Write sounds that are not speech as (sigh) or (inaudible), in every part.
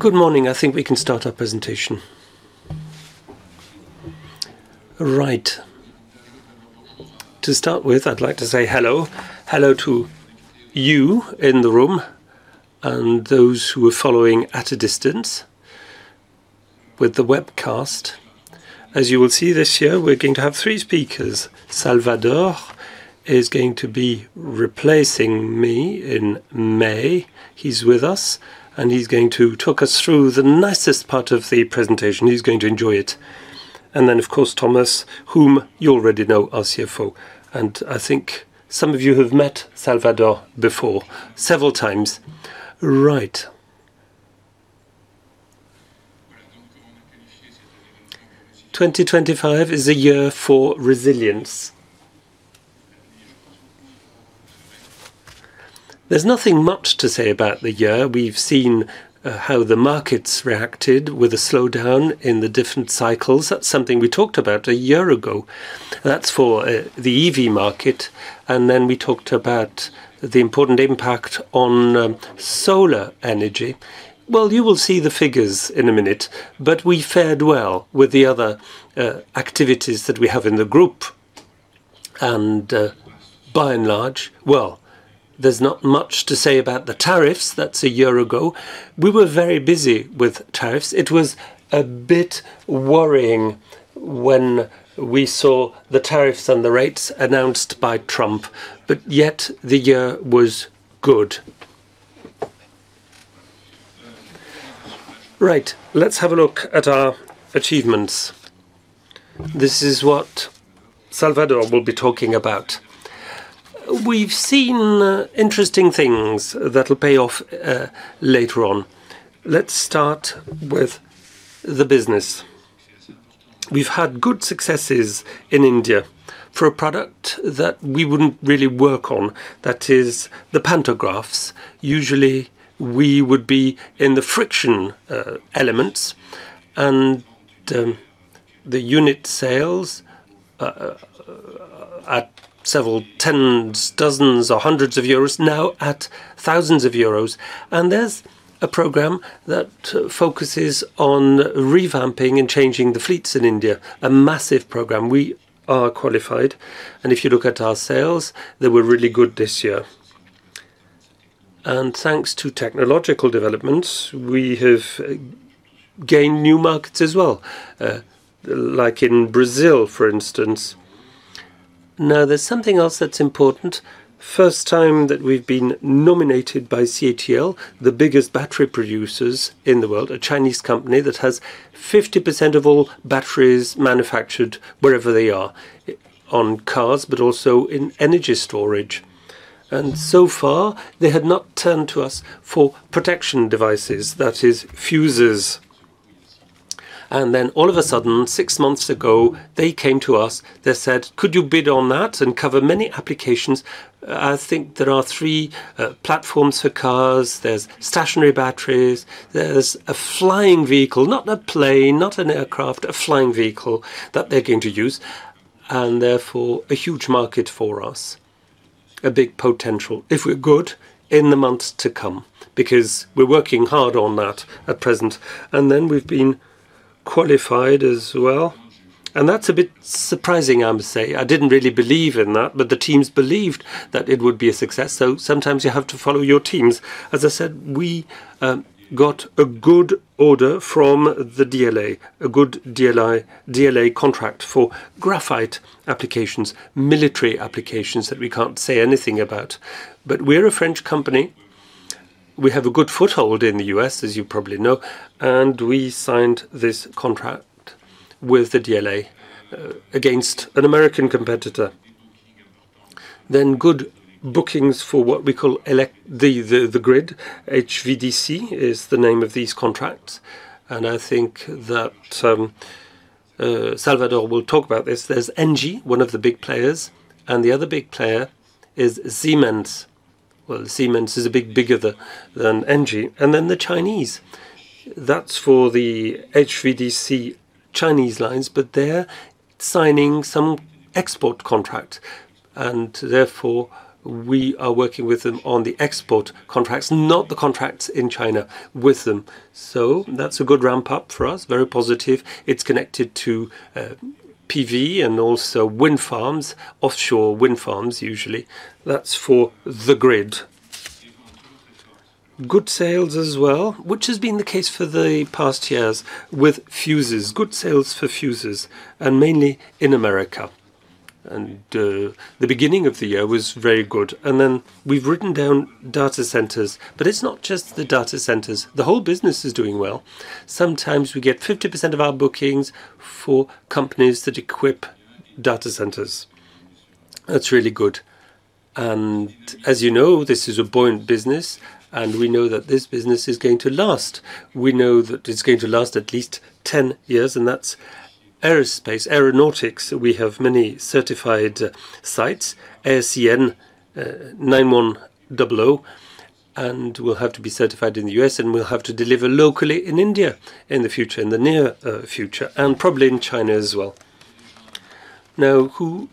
Good morning. I think we can start our presentation. Right. To start with, I'd like to say hello. Hello to you in the room and those who are following at a distance with the webcast. As you will see this year, we're going to have three speakers. Salvador is going to be replacing me in May. He's with us, and he's going to talk us through the nicest part of the presentation. He's going to enjoy it. Of course, Thomas, whom you already know, our CFO. I think some of you have met Salvador before several times. Right. 2025 is a year for resilience. There's nothing much to say about the year. We've seen how the markets reacted with a slowdown in the different cycles. That's something we talked about a year ago. That's for the EV market, and then we talked about the important impact on solar energy. Well, you will see the figures in a minute, but we fared well with the other activities that we have in the group. By and large. Well, there's not much to say about the tariffs. That's a year ago. We were very busy with tariffs. It was a bit worrying when we saw the tariffs and the rates announced by Trump, but yet the year was good. Right. Let's have a look at our achievements. This is what Salvador will be talking about. We've seen interesting things that'll pay off later on. Let's start with the business. We've had good successes in India for a product that we wouldn't really work on. That is the pantographs. Usually, we would be in the friction elements, and the unit sales at several tens, dozens or hundreds of euros, now at thousands of euros. There's a program that focuses on revamping and changing the fleets in India, a massive program. We are qualified. If you look at our sales, they were really good this year. Thanks to technological developments, we have gained new markets as well, like in Brazil, for instance. Now, there's something else that's important. First time that we've been nominated by CATL, the biggest battery producers in the world, a Chinese company that has 50% of all batteries manufactured wherever they are, on cars but also in energy storage. So far, they had not turned to us for protection devices, that is fuses. Then all of a sudden, six months ago, they came to us. They said, "Could you bid on that and cover many applications?" I think there are three platforms for cars. There's stationary batteries. There's a flying vehicle, not a plane, not an aircraft, a flying vehicle that they're going to use, and therefore a huge market for us. A big potential if we're good in the months to come because we're working hard on that at present. We've been qualified as well, and that's a bit surprising, I must say. I didn't really believe in that, but the teams believed that it would be a success, so sometimes you have to follow your teams. As I said, we got a good order from the DLA, a good DLA contract for graphite applications, military applications that we can't say anything about. We're a French company. We have a good foothold in the U.S., as you probably know, and we signed this contract with the DLA against an American competitor. Good bookings for what we call the grid. HVDC is the name of these contracts, and I think that Salvador will talk about this. There's ENGIE, one of the big players, and the other big player is Siemens. Well, Siemens is bigger than ENGIE. Then the Chinese. That's for the HVDC Chinese lines, but they're signing some export contract, and therefore we are working with them on the export contracts, not the contracts in China with them. That's a good ramp-up for us, very positive. It's connected to PV and also wind farms, offshore wind farms usually. That's for the grid. Good sales as well, which has been the case for the past years with fuses. Good sales for fuses, and mainly in America. The beginning of the year was very good. We've written down data centers, but it's not just the data centers. The whole business is doing well. Sometimes we get 50% of our bookings for companies that equip data centers. That's really good. As you know, this is a buoyant business, and we know that this business is going to last. We know that it's going to last at least 10 years, and that's aerospace, aeronautics. We have many certified sites, AS/EN 9100, and we'll have to be certified in the U.S., and we'll have to deliver locally in India in the future, in the near future, and probably in China as well. Now, who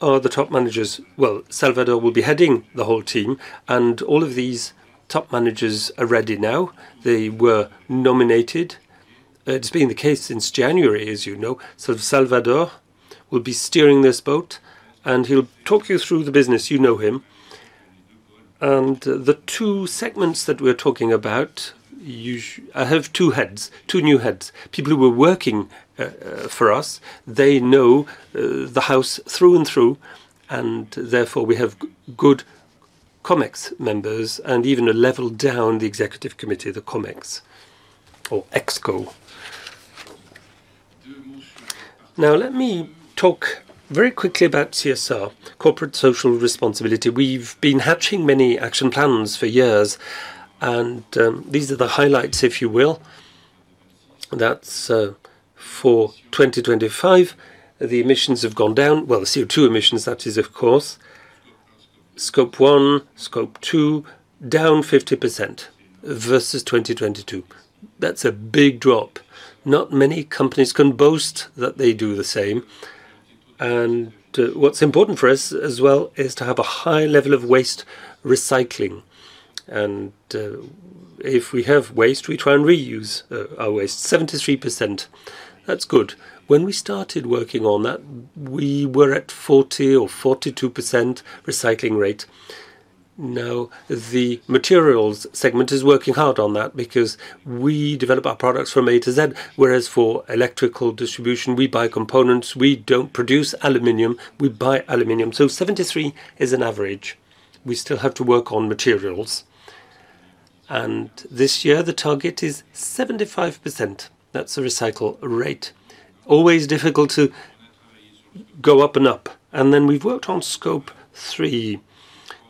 are the top managers? Well, Salvador will be heading the whole team, and all of these top managers are ready now. They were nominated. It's been the case since January, as you know. Salvador will be steering this boat, and he'll talk you through the business. You know him. The two segments that we're talking about have two new heads, people who were working for us. They know the house through and through, and therefore we have good Comex members and even a level down the executive committee, the Comex or ExCo. Now, let me talk very quickly about CSR, corporate social responsibility. We've been hatching many action plans for years, and these are the highlights, if you will. That's for 2025. The emissions have gone down. Well, CO2 emissions, that is, of course. Scope 1, Scope 2, down 50% versus 2022. That's a big drop. Not many companies can boast that they do the same. What's important for us as well is to have a high level of waste recycling. If we have waste, we try and reuse our waste. 73%, that's good. When we started working on that, we were at 40% or 42% recycling rate. Now, the materials segment is working hard on that because we develop our products from A to Z, whereas for electrical distribution, we buy components. We don't produce aluminum, we buy aluminum. 73% is an average. We still have to work on materials. This year, the target is 75%. That's a recycle rate. Always difficult to go up and up. We've worked on Scope 3.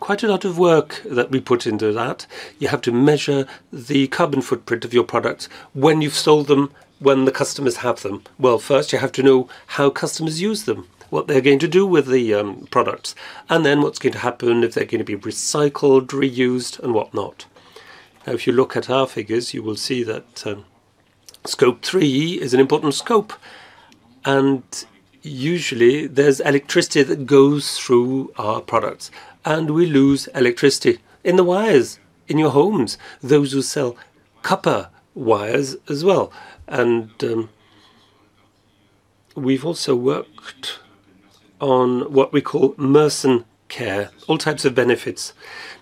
Quite a lot of work that we put into that. You have to measure the carbon footprint of your products when you've sold them, when the customers have them. Well, first you have to know how customers use them, what they're going to do with the products, and then what's going to happen, if they're going be recycled, reused, and whatnot. If you look at our figures, you will see that, Scope 3 is an important scope. Usually, there's electricity that goes through our products, and we lose electricity in the wires in your homes, those who sell copper wires as well. We've also worked on what we call Mersen Care, all types of benefits.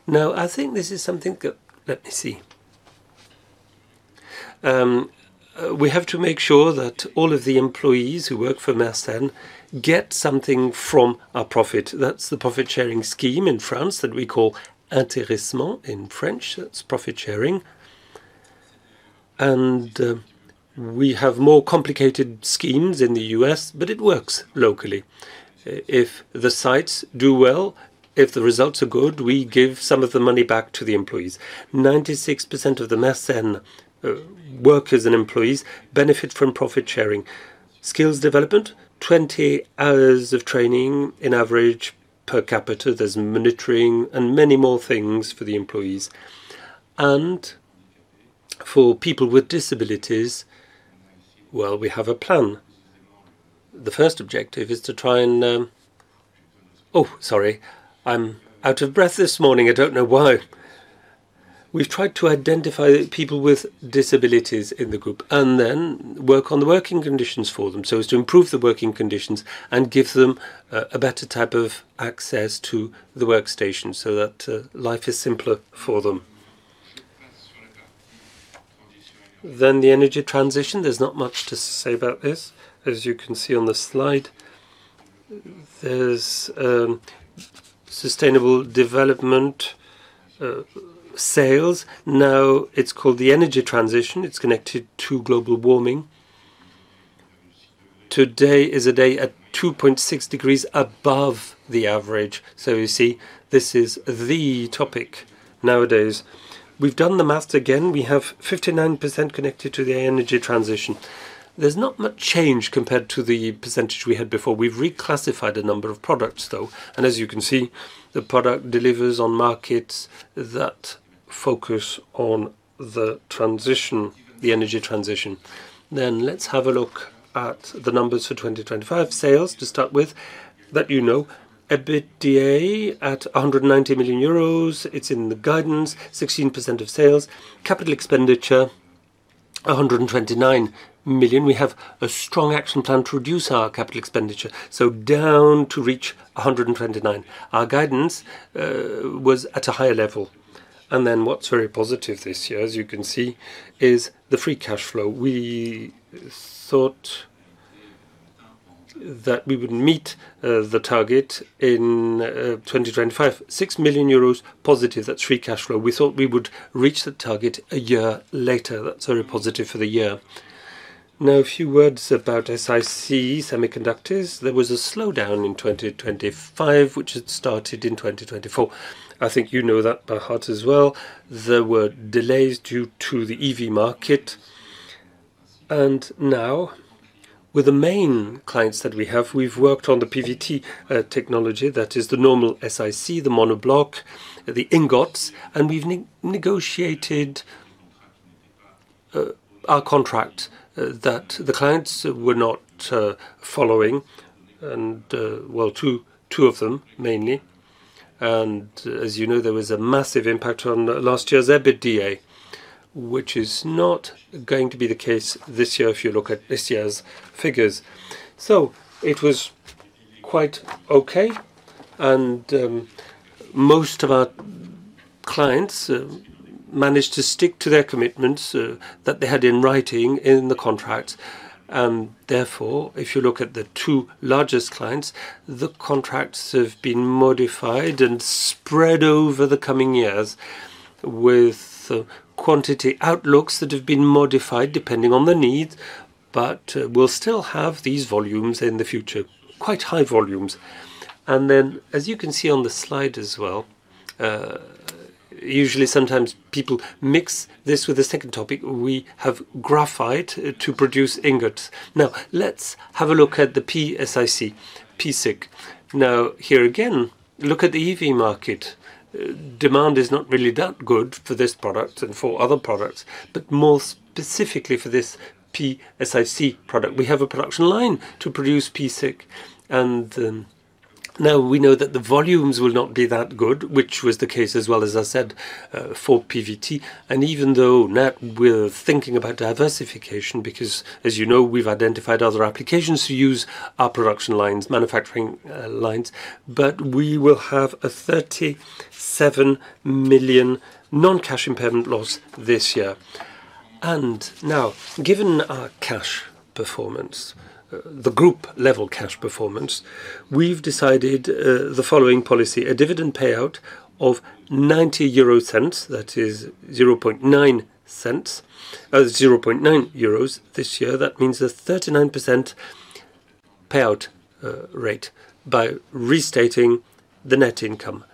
Now, I think this is something. We have to make sure that all of the employees who work for Mersen get something from our profit. That's the profit-sharing scheme in France that we call intéressement in French, That's profit sharing. And we have more complicated schemes in the U.S., but it works locally. If the sites do well, if the results are good, we give some of the money back to the employees. 96% of the methanol workers and employees benefit from profit sharing, skills development, 20 hours of training in average per capita. There is mentoring and many more things for the employees. And for people with disabilities, well, we have a plan. The first objective is to try and, oh, sorry, I'm out of breath this morning, I don't know why. We try to identify people with disabilities in the group and then work on the working conditions for them. So, to improve the working conditions and give them a better type of access to the workstation so that life is simpler for them. Then the energy transition, there's not much to say about this. As you can see on the slide, there's sustainable development sales. Now it's called the energy transition. It's connected to global warming. Today is a day at 2.6 degrees above the average. So, you see, this is the topic nowadays. We've done the map again. We have 59% connected to the energy transition. There's not much change compared to the percentage we had before. We reclassified a number of products. So, and as you can see, the product delivers on markets that focus on the transition, the energy transition. Then let's have a look at the numbers of 2025 sales to start with. As you know, at DA at 190 million euros, it's in line with the guidance, 15% of sales, capital expenditure, 129 million. We have a strong action plan to reduce our capital expenditure. So down to reach 129 million. Our guidance was at a high level. And then what's very positive this year, as you can see, is the free cash flow. We thought that we would meet the target in 2025. 6 million euros positive at free cash flow. We thought we would reach the target a year later. That's very positive for the year. Now, a few words about SiC semiconductors. There was a slowdown in 2025, which had started in 2024. I think you know that by heart as well. There were delays due to the EV market. Now, with the main clients that we have, we've worked on the PVT technology. That is the normal SiC, the monoblock, the ingots, and we've negotiated. Our contracts that the clients were not following, well, two of them mainly. As you know, there was a massive impact on last year's EBITDA, which is not going to be the case this year if you look at this year's figures. It was quite okay, and most of our clients managed to stick to their commitments that they had in writing in the contract. Therefore, if you look at the two largest clients, the contracts have been modified and spread over the coming years with quantity outlooks that have been modified depending on the needs. We'll still have these volumes in the future, quite high volumes. Then, as you can see on the slide as well, usually sometimes people mix this with the second topic. We have graphite to produce ingots. Now, let's have a look at the p-SiC. Now, here again, look at the EV market. Demand is not really that good for this product and for other products, but more specifically for this p-SiC product. We have a production line to produce p-SiC, and now we know that the volumes will not be that good, which was the case as well as I said for PVT. Even though now we're thinking about diversification because, as you know, we've identified other applications to use our production lines, manufacturing lines, but we will have a 37 million non-cash impairment loss this year. Now, given our cash performance, the group level cash performance, we've decided the following policy, a dividend payout of 90 euro cents, that is 0.9 this year. That means a 39% payout rate by restating the net income.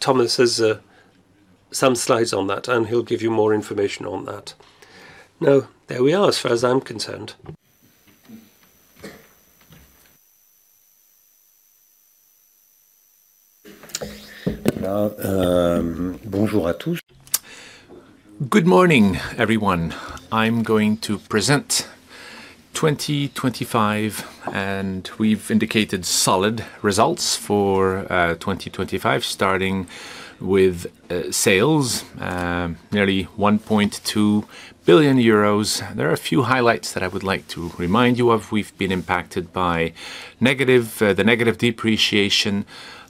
Thomas has some slides on that, and he'll give you more information on that. Now, there we are, as far as I'm concerned. Um, Good morning, everyone. I'm going to present 2025, and we've indicated solid results for 2025, starting with sales nearly 1.2 billion euros. There are a few highlights that I would like to remind you of. We've been impacted by the negative depreciation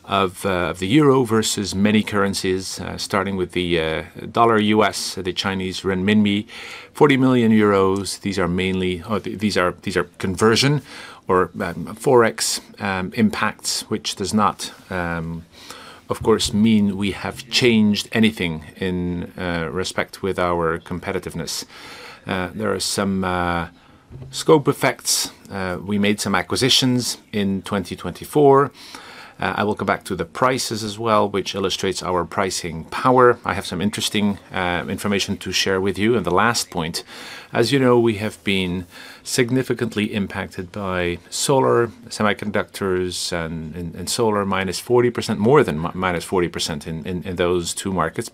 of the euro versus many currencies, starting with the U.S. dollar, the Chinese renminbi, 40 million euros. These are mainly conversion or Forex impacts, which does not, of course, mean we have changed anything with respect to our competitiveness. There are some scope effects. We made some acquisitions in 2024. I will go back to the prices as well, which illustrates our pricing power. I have some interesting information to share with you. The last point, as you know, we have been significantly impacted by solar semiconductors and solar -40%, more than -40% in those two markets.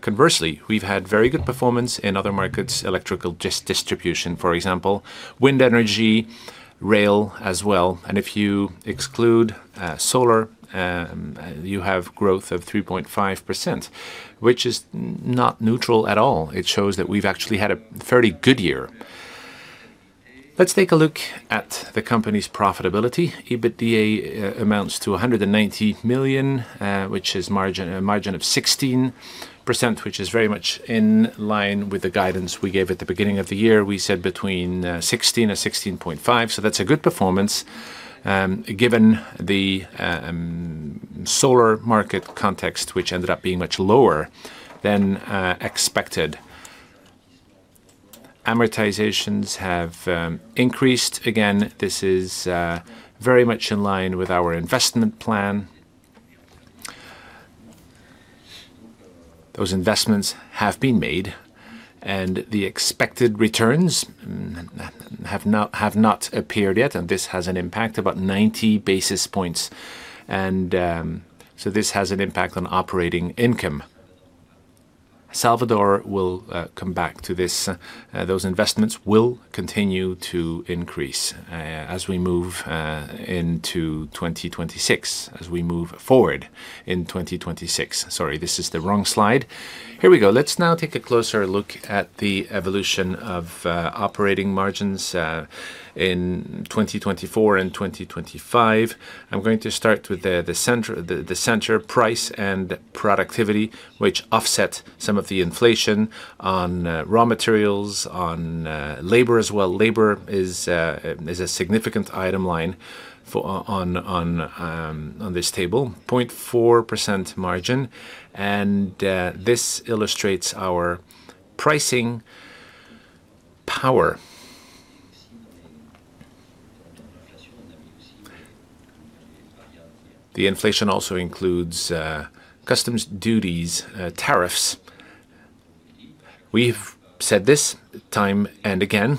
Conversely, we've had very good performance in other markets, electrical distribution, for example, wind energy, rail as well. If you exclude solar, you have growth of 3.5%, which is not neutral at all. It shows that we've actually had a fairly good year. Let's take a look at the company's profitability. EBITDA amounts to 190 million, which is a margin of 16%, which is very much in line with the guidance we gave at the beginning of the year. We said between 16% and 16.5%. That's a good performance, given the solar market context, which ended up being much lower than expected. Amortizations have increased. Again, this is very much in line with our investment plan. Those investments have been made, and the expected returns have not appeared yet, and this has an impact, about 90 basis points. This has an impact on operating income. Salvador will come back to this. Those investments will continue to increase as we move into 2026, as we move forward in 2026. Sorry, this is the wrong slide. Here we go. Let's now take a closer look at the evolution of operating margins in 2024 and 2025. I'm going to start with the price and productivity, which offset some of the inflation on raw materials, on labor as well. Labor is a significant line item on this table, 0.4% margin, and this illustrates our pricing power. The inflation also includes customs duties, tariffs. We've said this time and again,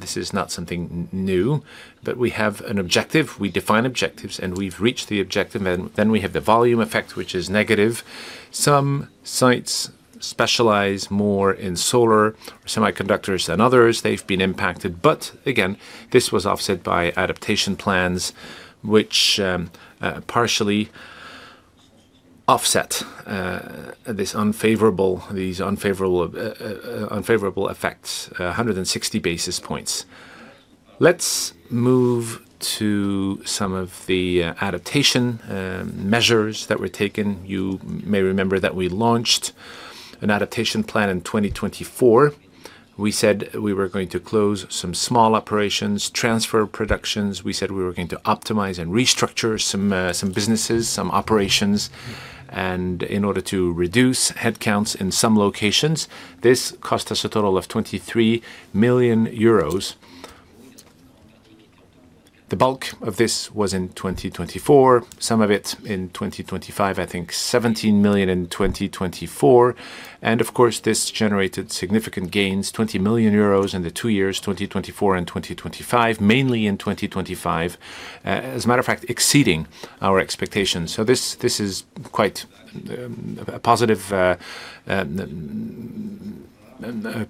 this is not something new, but we have an objective. We define objectives, and we've reached the objective. We have the volume effect, which is negative. Some sites specialize more in solar semiconductors than others. They've been impacted. Again, this was offset by adaptation plans which partially offset these unfavorable effects, 160 basis points. Let's move to some of the adaptation measures that were taken. You may remember that we launched an adaptation plan in 2024. We said we were going to close some small operations, transfer productions. We said we were going to optimize and restructure some businesses, some operations, and in order to reduce headcounts in some locations. This cost us a total of 23 million euros. The bulk of this was in 2024, some of it in 2025. I think 17 million in 2024. Of course, this generated significant gains, 20 million euros in the two years, 2024 and 2025, mainly in 2025. As a matter of fact, exceeding our expectations. This is quite a positive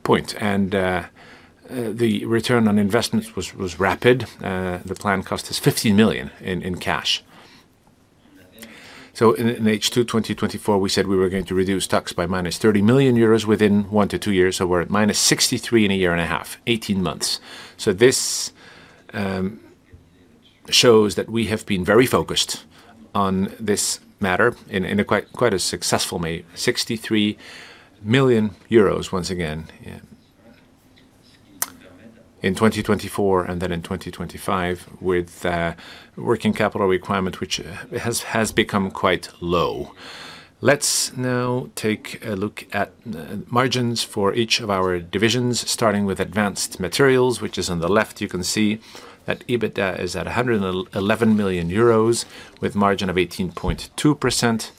point. The return on investment was rapid. The plan cost us 15 million in cash. In H2 2024, we said we were going to reduce stocks by -30 million euros within one to two years. We're at -63 million in a year and a half, 18 months. This shows that we have been very focused on this matter in a quite successful way. 63 million euros once again in 2024 and then in 2025 with working capital requirement which has become quite low. Let's now take a look at margins for each of our divisions, starting with Advanced Materials, which is on the left. You can see that EBITDA is at 111 million euros with margin of 18.2%.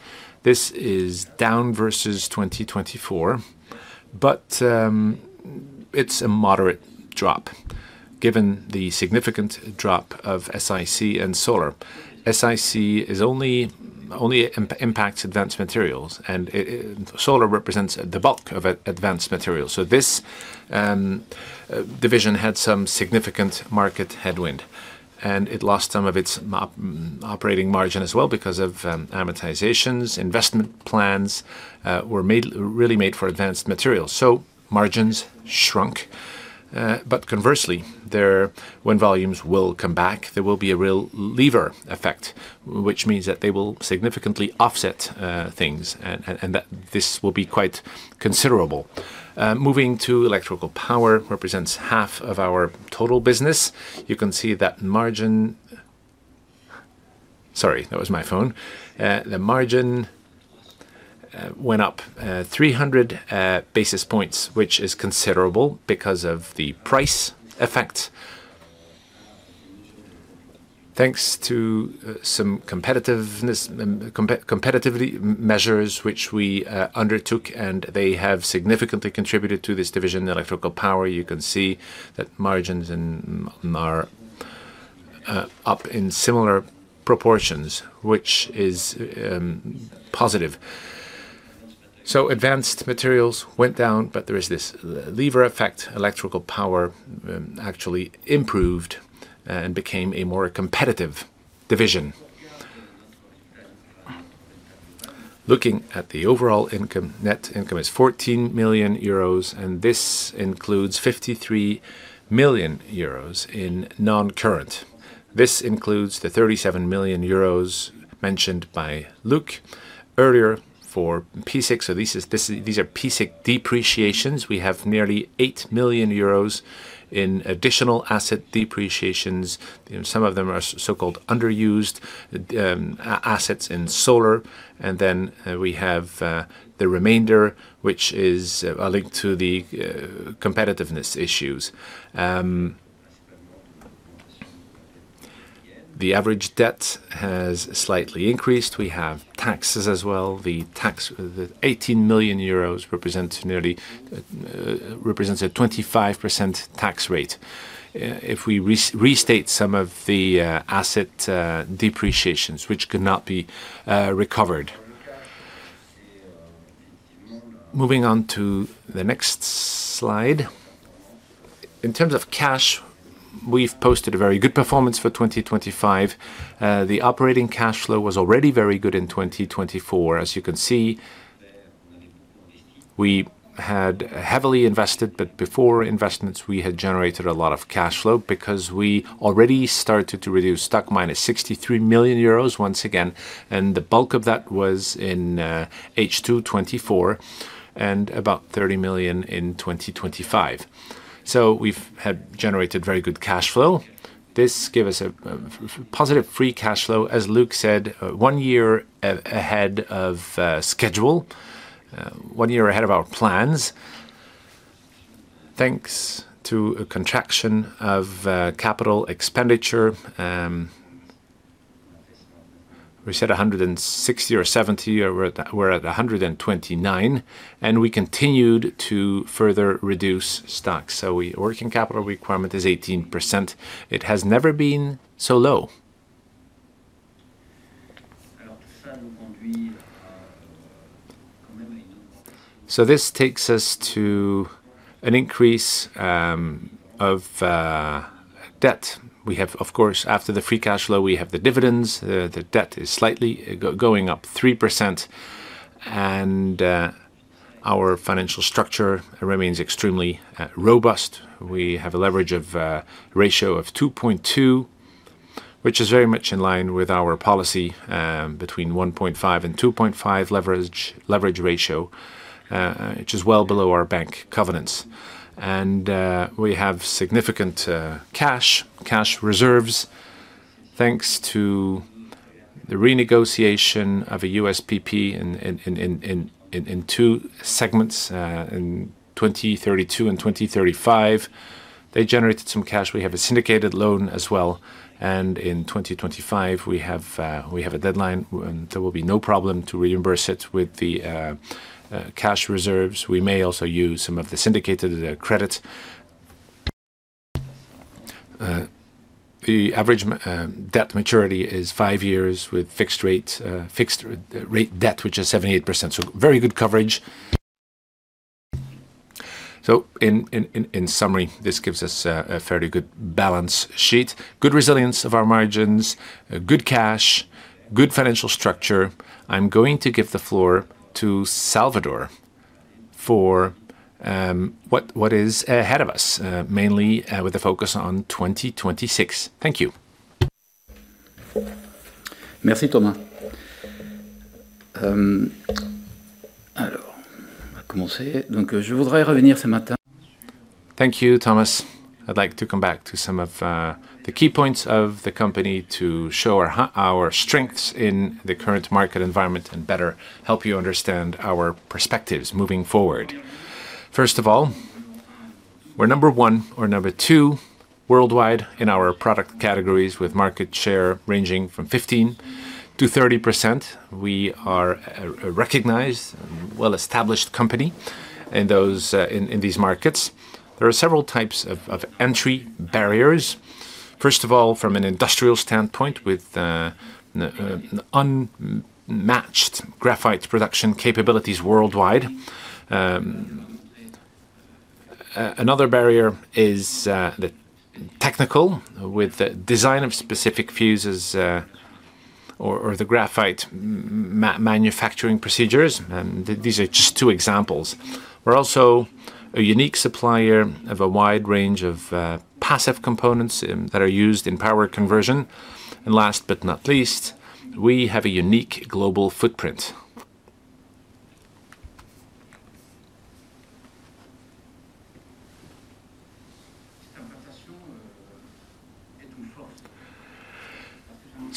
This is down versus 2024, but it's a moderate drop given the significant drop of SiC and solar. SiC only impacts Advanced Materials, and solar represents the bulk of Advanced Materials. This division had some significant market headwind, and it lost some of its operating margin as well because of amortizations. Investment plans were made, really made for Advanced Materials. Margins shrunk. Conversely, when volumes will come back, there will be a real lever effect, which means that they will significantly offset things and that this will be quite considerable. Moving to Electrical Power represents half of our total business. You can see that margin. Sorry, that was my phone. The margin went up 300 basis points, which is considerable because of the price effect. Thanks to some competitiveness and competitively measures which we undertook, and they have significantly contributed to this division. The Electrical Power, you can see that margins are up in similar proportions, which is positive. Advanced Materials went down, but there is this lever effect. Electrical Power actually improved and became a more competitive division. Looking at the overall income, net income is 14 million euros, and this includes 53 million euros in non-current. This includes the 37 million euros mentioned by Luc earlier for p-SiC. This is p-SiC depreciations. We have nearly 8 million euros in additional asset depreciations. You know, some of them are so-called underused assets in solar. Then we have the remainder which is linked to the competitiveness issues. The average debt has slightly increased. We have taxes as well. The 18 million euros represents nearly a 25% tax rate if we restate some of the asset depreciations which could not be recovered. Moving on to the next slide. In terms of cash, we've posted a very good performance for 2025. The operating cash flow was already very good in 2024. As you can see, we had heavily invested, but before investments, we had generated a lot of cash flow because we already started to reduce stock -63 million euros once again, and the bulk of that was in H2 2024 and about 30 million in 2025. We've had generated very good cash flow. This gives us a positive free cash flow, as Luc said, one year ahead of schedule, one year ahead of our plans. Thanks to a contraction of capital expenditure, we set 160 million or 170 million, or we're at 129 million, and we continued to further reduce stock. Working capital requirement is 18%. It has never been so low. This takes us to an increase of debt. We have, of course, after the free cash flow, we have the dividends. The debt is slightly going up 3% and our financial structure remains extremely robust. We have a leverage ratio of 2.2, which is very much in line with our policy between 1.5 and 2.5 leverage ratio, which is well below our bank covenants. We have significant cash reserves, thanks to the renegotiation of a USPP in two segments in 2032 and 2035. They generated some cash. We have a syndicated loan as well. In 2025, we have a deadline when there will be no problem to reimburse it with the cash reserves. We may also use some of the syndicated credits. The average debt maturity is five years with fixed rate debt, which is 78%, so very good coverage. In summary, this gives us a fairly good balance sheet. Good resilience of our margins, a good cash, good financial structure. I'm going to give the floor to Salvador for what is ahead of us, mainly, with the focus on 2026. Thank you. Merci, Thomas. Thank you, Thomas. I'd like to come back to some of the key points of the company to show our strengths in the current market environment and better help you understand our perspectives moving forward. First of all, we're number one or number two worldwide in our product categories with market share ranging from 15%-30%. We are a recognized and well-established company in those, in these markets. There are several types of entry barriers. First of all, from an industrial standpoint with unmatched graphite production capabilities worldwide. Another barrier is the technical with the design of specific fuses or the graphite manufacturing procedures. These are just two examples. We're also a unique supplier of a wide range of passive components that are used in power conversion. Last but not least, we have a unique global footprint.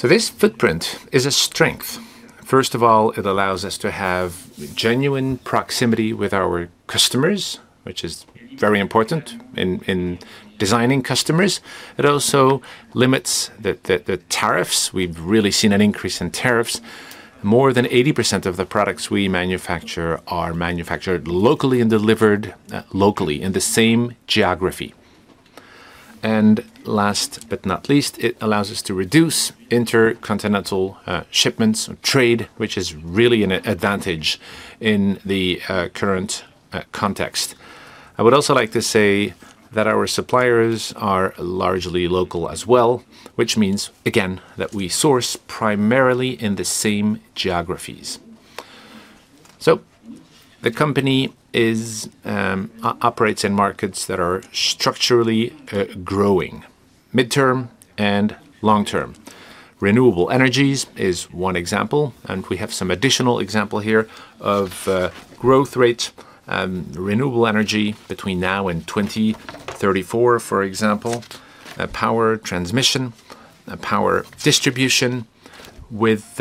This footprint is a strength. First of all, it allows us to have genuine proximity with our customers, which is very important in designing customers. It also limits the tariffs. We've really seen an increase in tariffs. More than 80% of the products we manufacture are manufactured locally and delivered locally in the same geography. Last but not least, it allows us to reduce intercontinental shipments or trade, which is really an advantage in the current context. I would also like to say that our suppliers are largely local as well, which means, again, that we source primarily in the same geographies. The company operates in markets that are structurally growing midterm and long-term. Renewable energies is one example, and we have some additional example here of growth rates renewable energy between now and 2034, for example, power transmission, power distribution with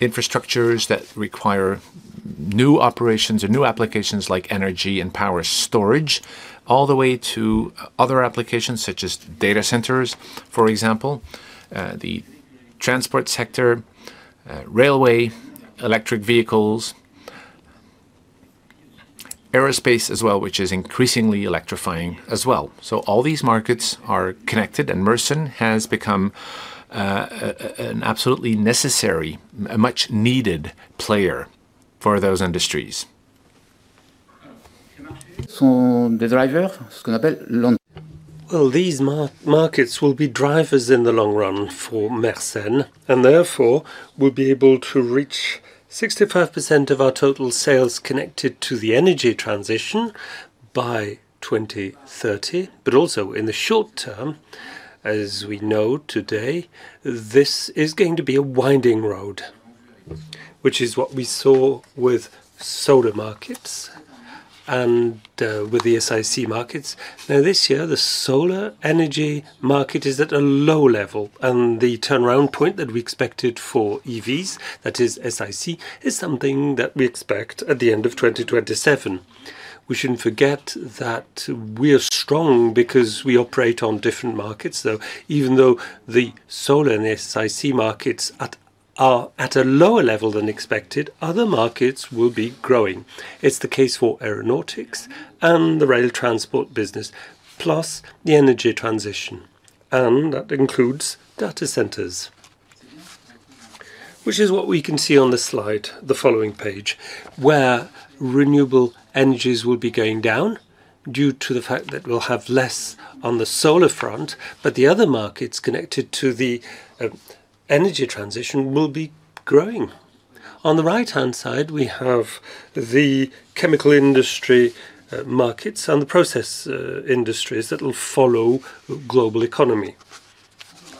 infrastructures that require new operations or new applications like energy and power storage, all the way to other applications such as data centers, for example, the transport sector, railway, electric vehicles, aerospace as well, which is increasingly electrifying as well. All these markets are connected, and Mersen has become an absolutely necessary, a much-needed player for those industries. Well, these markets will be drivers in the long run for Mersen, and therefore, we'll be able to reach 65% of our total sales connected to the energy transition by 2030. Also, in the short term, as we know today, this is going to be a winding road, which is what we saw with solar markets and with the SiC markets. Now this year, the solar energy market is at a low level, and the turnaround point that we expected for EVs, that is SiC, is something that we expect at the end of 2027. We shouldn't forget that we are strong because we operate on different markets, though. Even though the solar and SiC markets are at a lower level than expected, other markets will be growing. It's the case for aeronautics and the rail transport business, plus the energy transition, and that includes data centers. Which is what we can see on this slide, the following page, where renewable energies will be going down due to the fact that we'll have less on the solar front, but the other markets connected to the energy transition will be growing. On the right-hand side, we have the chemical industry markets and the process industries that will follow global economy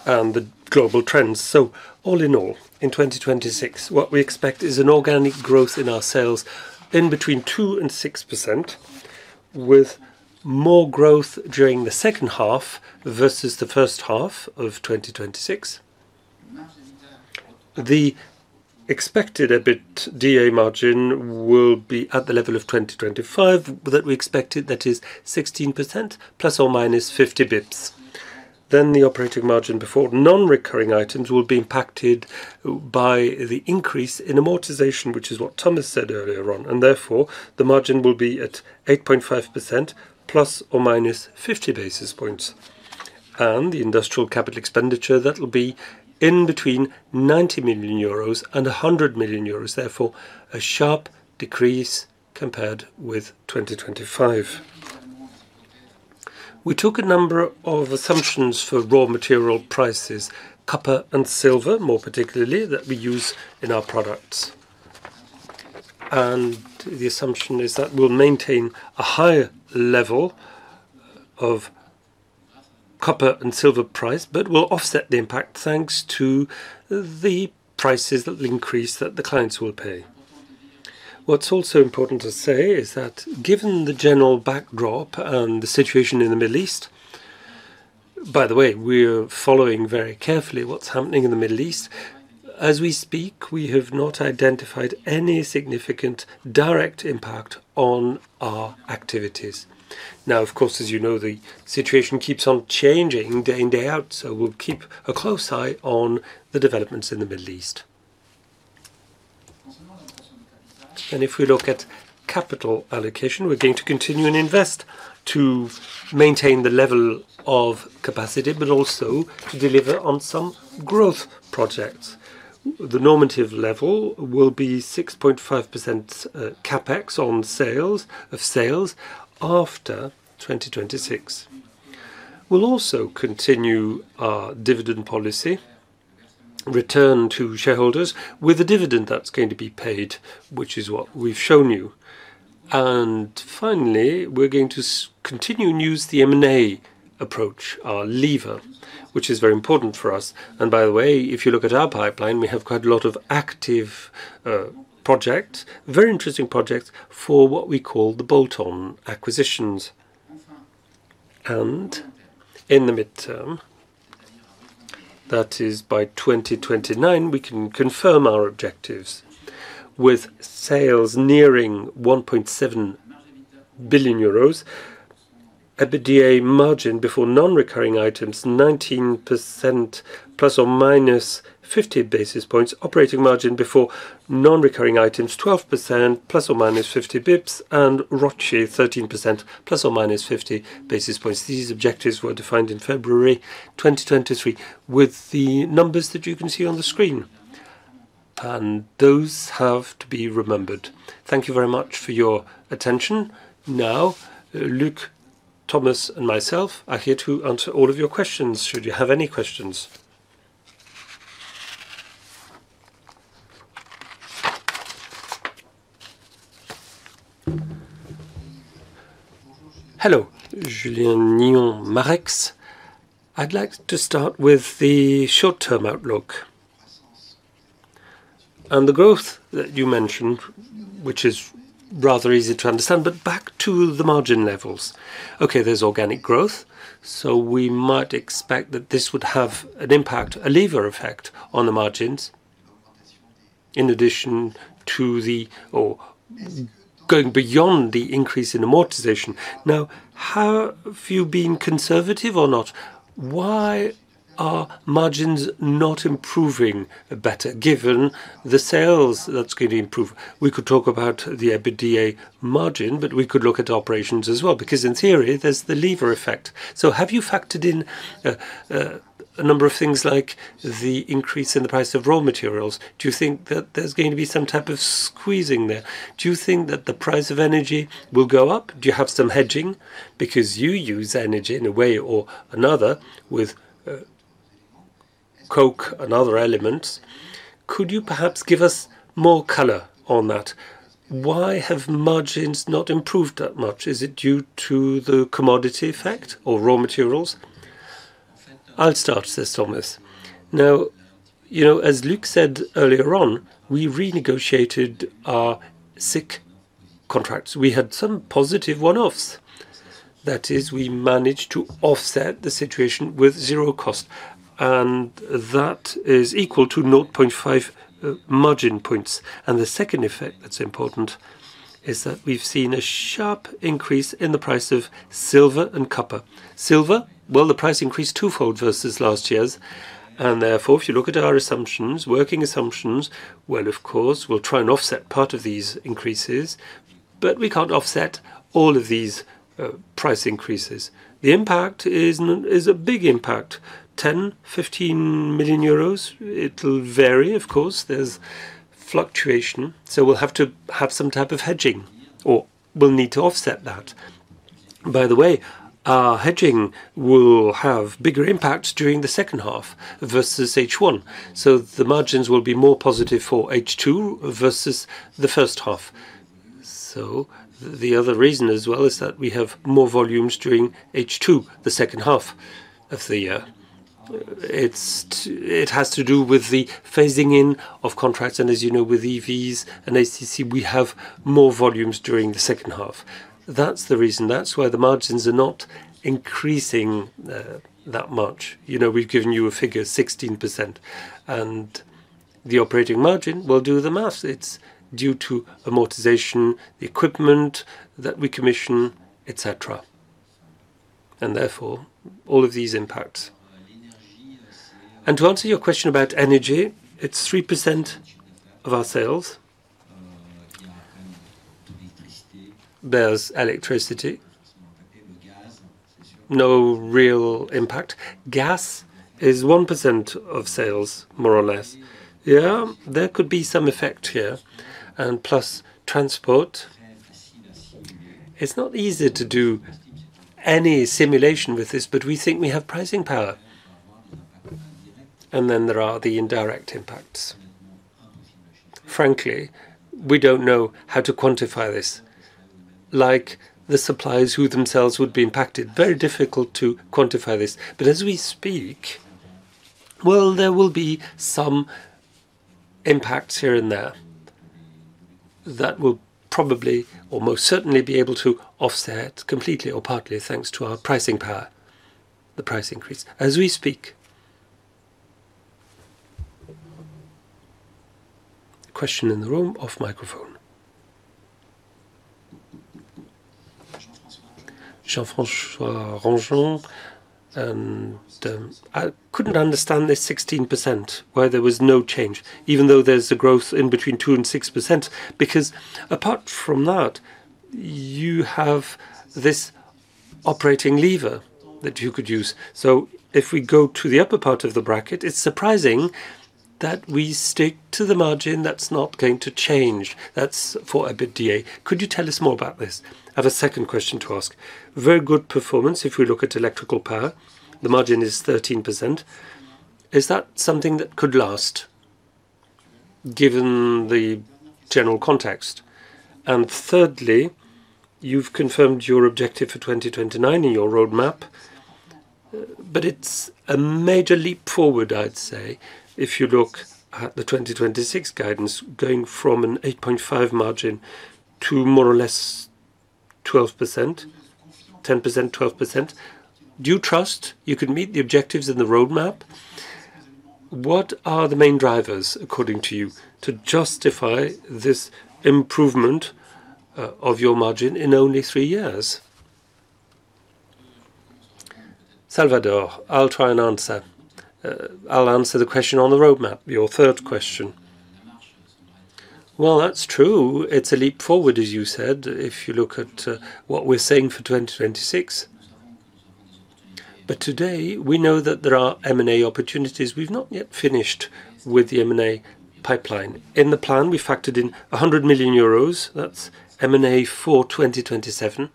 and the global trends. All in all, in 2026, what we expect is an organic growth in our sales in between 2%-6%, with more growth during the H2 versus the H1 of 2026. The expected EBITDA margin will be at the level of 2025 that we expected, that is 16% ±50 bps. The operating margin before non-recurring items will be impacted by the increase in amortization, which is what Thomas said earlier on, and therefore the margin will be at 8.5% ±50 basis points. The industrial capital expenditure, that'll be in between 90 million euros and 100 million euros, therefore a sharp decrease compared with 2025. We took a number of assumptions for raw material prices, copper and silver, more particularly, that we use in our products. The assumption is that we'll maintain a higher level of copper and silver price, but we'll offset the impact thanks to the prices that will increase that the clients will pay. What's also important to say is that given the general backdrop and the situation in the Middle East. By the way, we are following very carefully what's happening in the Middle East. As we speak, we have not identified any significant direct impact on our activities. Now, of course, as you know, the situation keeps on changing day in, day out, so we'll keep a close eye on the developments in the Middle East. If we look at capital allocation, we're going to continue and invest to maintain the level of capacity, but also to deliver on some growth projects. The normative level will be 6.5%, CapEx on sales, of sales after 2026. We'll also continue our dividend policy, return to shareholders with a dividend that's going to be paid, which is what we've shown you. Finally, we're going to continue and use the M&A approach, our lever, which is very important for us. By the way, if you look at our pipeline, we have quite a lot of active projects, very interesting projects for what we call the bolt-on acquisitions. In the midterm, that is by 2029, we can confirm our objectives with sales nearing 1.7 billion euros, EBITDA margin before non-recurring items 19% ±50 basis points, operating margin before non-recurring items 12% ±50 basis points, and ROCE 13% ±50 basis points. These objectives were defined in February 2023 with the numbers that you can see on the screen. Those have to be remembered. Thank you very much for your attention. Now, Luc, Thomas, and myself are here to answer all of your questions, should you have any questions. Hello. Julien Onillon, Marex. I'd like to start with the short-term outlook. The growth that you mentioned, which is rather easy to understand, but back to the margin levels. Okay, there's organic growth, so we might expect that this would have an impact, a lever effect on the margins in addition to or going beyond the increase in amortization. Now, have you been conservative or not? Why are margins not improving better given the sales that's going to improve? We could talk about the EBITDA margin, but we could look at operations as well, because in theory, there's the lever effect. Have you factored in a number of things like the increase in the price of raw materials? Do you think that there's going to be some type of squeezing there? Do you think that the price of energy will go up? Do you have some hedging? Because you use energy in a way or another with coke and other elements. Could you perhaps give us more color on that? Why have margins not improved that much? Is it due to the commodity effect or raw materials? "I'll start," says Thomas. Now, you know, as Luc said earlier on, we renegotiated our SiC contracts. We had some positive one-offs. That is, we managed to offset the situation with zero cost, and that is equal to 0.5 margin points. The second effect that's important is that we've seen a sharp increase in the price of silver and copper. Silver, well, the price increased twofold versus last year's. Therefore, if you look at our assumptions, working assumptions, well, of course, we'll try and offset part of these increases, but we can't offset all of these price increases. The impact is a big impact, 10 million-15 million euros. It'll vary, of course. There's fluctuation, so we'll have to have some type of hedging, or we'll need to offset that. By the way, our hedging will have bigger impacts during the H2 versus H1, so the margins will be more positive for H2 versus the H1. The other reason as well is that we have more volumes during H2, the H2 of the year. It has to do with the phasing in of contracts, and as you know, with EVs and ACC, we have more volumes during the H2. That's the reason. That's why the margins are not increasing that much. You know, we've given you a figure 16%, and the operating margin will do the math. It's due to amortization, the equipment that we commission, et cetera. Therefore, all of these impacts. To answer your question about energy, it's 3% of our sales. There's electricity. No real impact. Gas is 1% of sales, more or less. Yeah, there could be some effect here, and plus transport. It's not easy to do any simulation with this, but we think we have pricing power. Then there are the indirect impacts. Frankly, we don't know how to quantify this, like the suppliers who themselves would be impacted. Very difficult to quantify this. But as we speak, well, there will be some impacts here and there that we'll probably or most certainly be able to offset completely or partly thanks to our pricing power, the price increase as we speak. Question in the room, off microphone. Jean-François Granjon. I couldn't understand the 16% where there was no change, even though there's a growth between 2% and 6%, because apart from that, you have this operating lever that you could use. If we go to the upper part of the bracket, it's surprising that we stick to the margin that's not going to change. That's for EBITDA. Could you tell us more about this? I have a second question to ask. Very good performance if we look at Electrical Power. The margin is 13%. Is that something that could last given the general context? Thirdly, you've confirmed your objective for 2029 in your roadmap, but it's a major leap forward, I'd say, if you look at the 2026 guidance going from an 8.5 margin to more or less 12%, 10%, 12%. Do you trust you can meet the objectives in the roadmap? What are the main drivers, according to you, to justify this improvement of your margin in only three years? Salvador. I'll try and answer. I'll answer the question on the roadmap, your third question. Well, that's true. It's a leap forward, as you said, if you look at what we're saying for 2026. Today, we know that there are M&A opportunities. We've not yet finished with the M&A pipeline. In the plan, we factored in 100 million euros. That's M&A for 2027.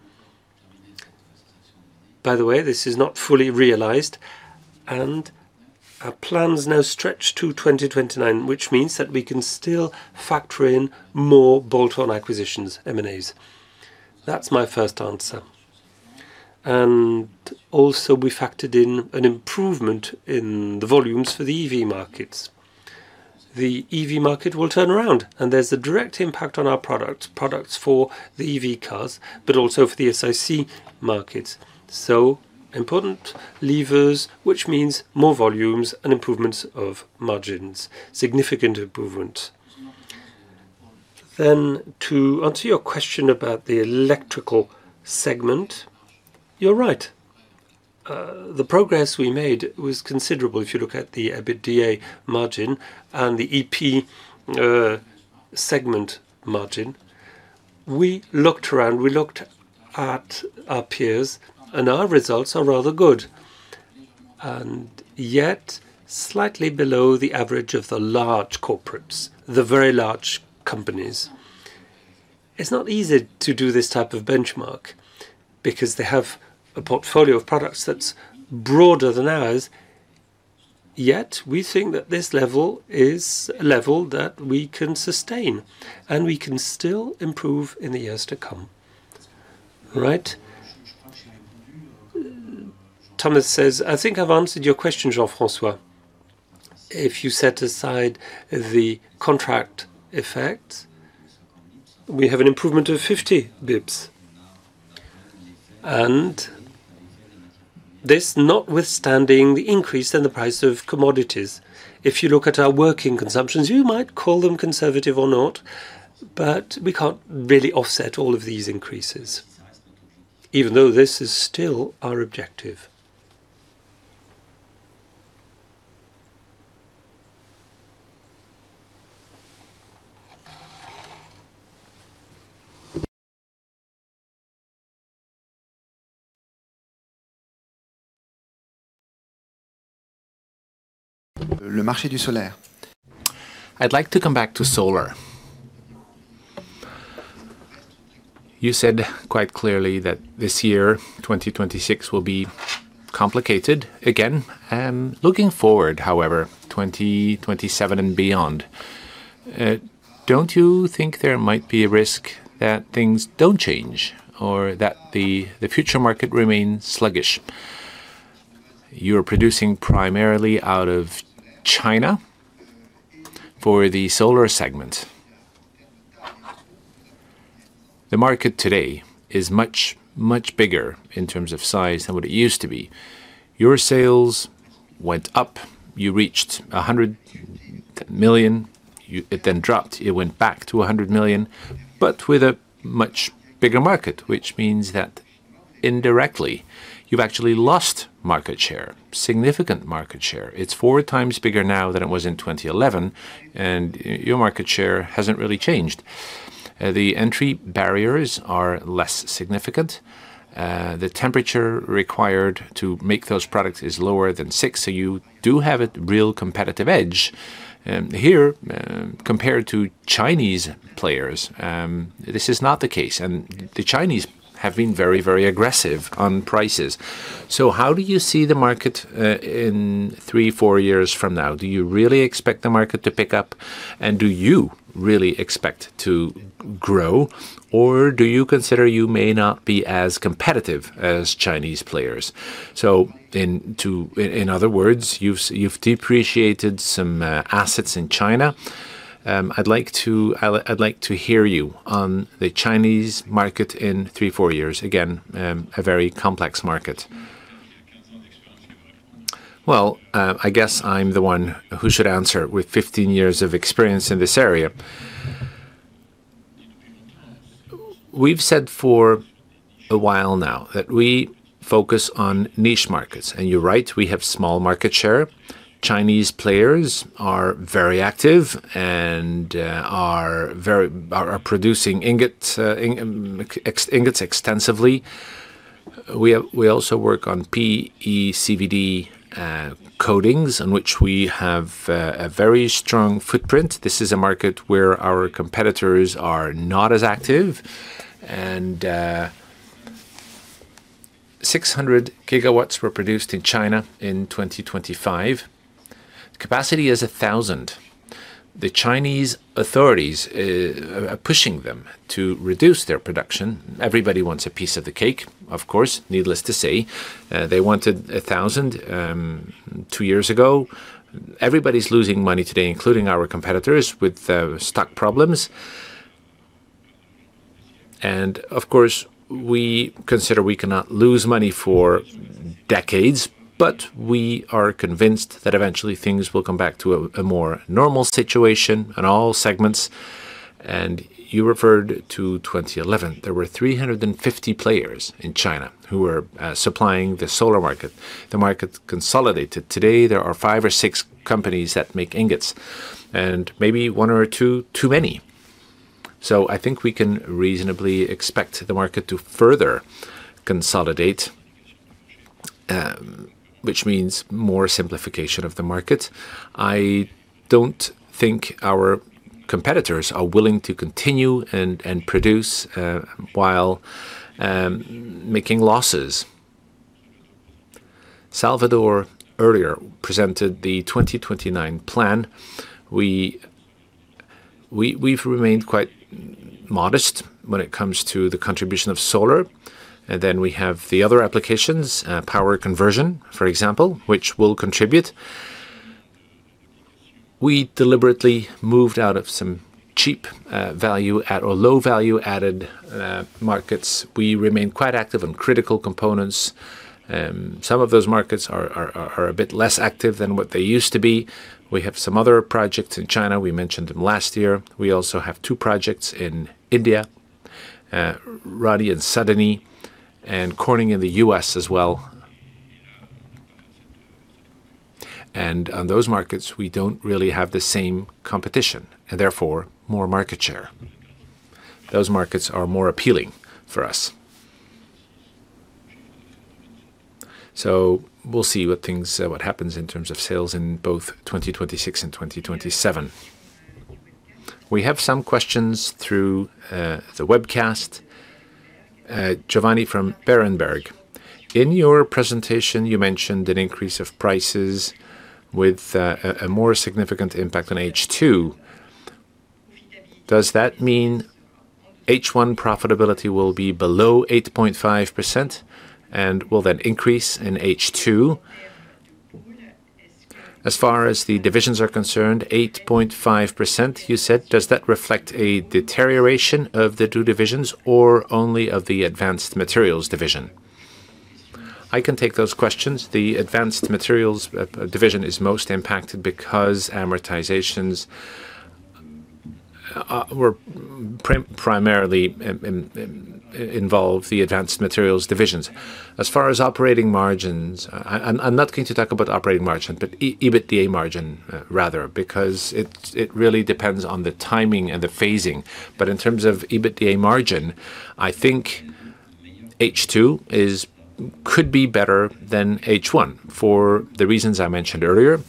By the way, this is not fully realized, and our plans now stretch to 2029, which means that we can still factor in more bolt-on acquisitions, M&As. That's my first answer. Also, we factored in an improvement in the volumes for the EV markets. The EV market will turn around, and there's a direct impact on our products for the EV cars, but also for the SiC markets. Important levers, which means more volumes and improvements of margins, significant improvement. To answer your question about the electrical segment, you're right. The progress we made was considerable if you look at the EBITDA margin and the EP segment margin. We looked around, we looked at our peers, and our results are rather good, and yet slightly below the average of the large corporates, the very large companies. It's not easy to do this type of benchmark because they have a portfolio of products that's broader than ours. Yet we think that this level is a level that we can sustain, and we can still improve in the years to come. Right? Thomas says, "I think I've answered your question, Jean-François." If you set aside the contract effect, we have an improvement of 50 basis points, and this notwithstanding the increase in the price of commodities. If you look at our working consumptions, you might call them conservative or not, but we can't really offset all of these increases, even though this is still our objective. I'd like to come back to solar. You said quite clearly that this year, 2026 will be complicated again. Looking forward, however, 2027 and beyond, don't you think there might be a risk that things don't change or that the future market remains sluggish? You're producing primarily out of China for the solar segment. The market today is much, much bigger in terms of size than what it used to be. Your sales went up. You reached 100 million. It then dropped. It went back to 100 million, but with a much bigger market, which means that indirectly, you've actually lost market share, significant market share. It's 4x bigger now than it was in 2011, and your market share hasn't really changed. The entry barriers are less significant. The temperature required to make those products is lower than six, so you do have a real competitive edge. Here, compared to Chinese players, this is not the case, and the Chinese have been very, very aggressive on prices. How do you see the market in three, four years from now? Do you really expect the market to pick up, and do you really expect to grow, or do you consider you may not be as competitive as Chinese players? In other words, you've depreciated some assets in China. I'd like to hear you on the Chinese market in three to four years. Again, a very complex market. Well, I guess I'm the one who should answer with 15 years of experience in this area. We've said for a while now that we focus on niche markets, and you're right, we have small market share. Chinese players are very active and are producing ingots extensively. We also work on PECVD coatings in which we have a very strong footprint. This is a market where our competitors are not as active. 600GW were produced in China in 2025. Capacity is 1,000. The Chinese authorities are pushing them to reduce their production. Everybody wants a piece of the cake, of course, needless to say. They wanted 1,000 two years ago. Everybody's losing money today, including our competitors with stock problems. Of course, we consider we cannot lose money for decades, but we are convinced that eventually things will come back to a more normal situation in all segments. You referred to 2011. There were 350 players in China who were supplying the solar market. The market consolidated. Today, there are five or six companies that make ingots, and maybe one or two too many. I think we can reasonably expect the market to further consolidate, which means more simplification of the market. I don't think our competitors are willing to continue and produce while making losses. Salvador earlier presented the 2029 plan. We've remained quite modest when it comes to the contribution of solar. We have the other applications, power conversion, for example, which will contribute. We deliberately moved out of some cheap value add or low value-added markets. We remain quite active in critical components. Some of those markets are a bit less active than what they used to be. We have some other projects in China. We mentioned them last year. We also have two projects in India, Radhi and Adani, and Corning in the U.S. as well. On those markets, we don't really have the same competition, and therefore more market share. Those markets are more appealing for us. We'll see what happens in terms of sales in both 2026 and 2027. We have some questions through the webcast. Giovanni from Berenberg. In your presentation, you mentioned an increase of prices with a more significant impact on H2. Does that mean H1 profitability will be below 8.5%, and will that increase in H2? As far as the divisions are concerned, 8.5% you said, does that reflect a deterioration of the two divisions or only of the Advanced Materials division? I can take those questions. The Advanced Materials division is most impacted because amortizations were primarily involved in the Advanced Materials divisions. As far as operating margins, I'm not going to talk about operating margin, but EBITDA margin rather, because it really depends on the timing and the phasing. In terms of EBITDA margin, I think H2 could be better than H1 for the reasons I mentioned earlier,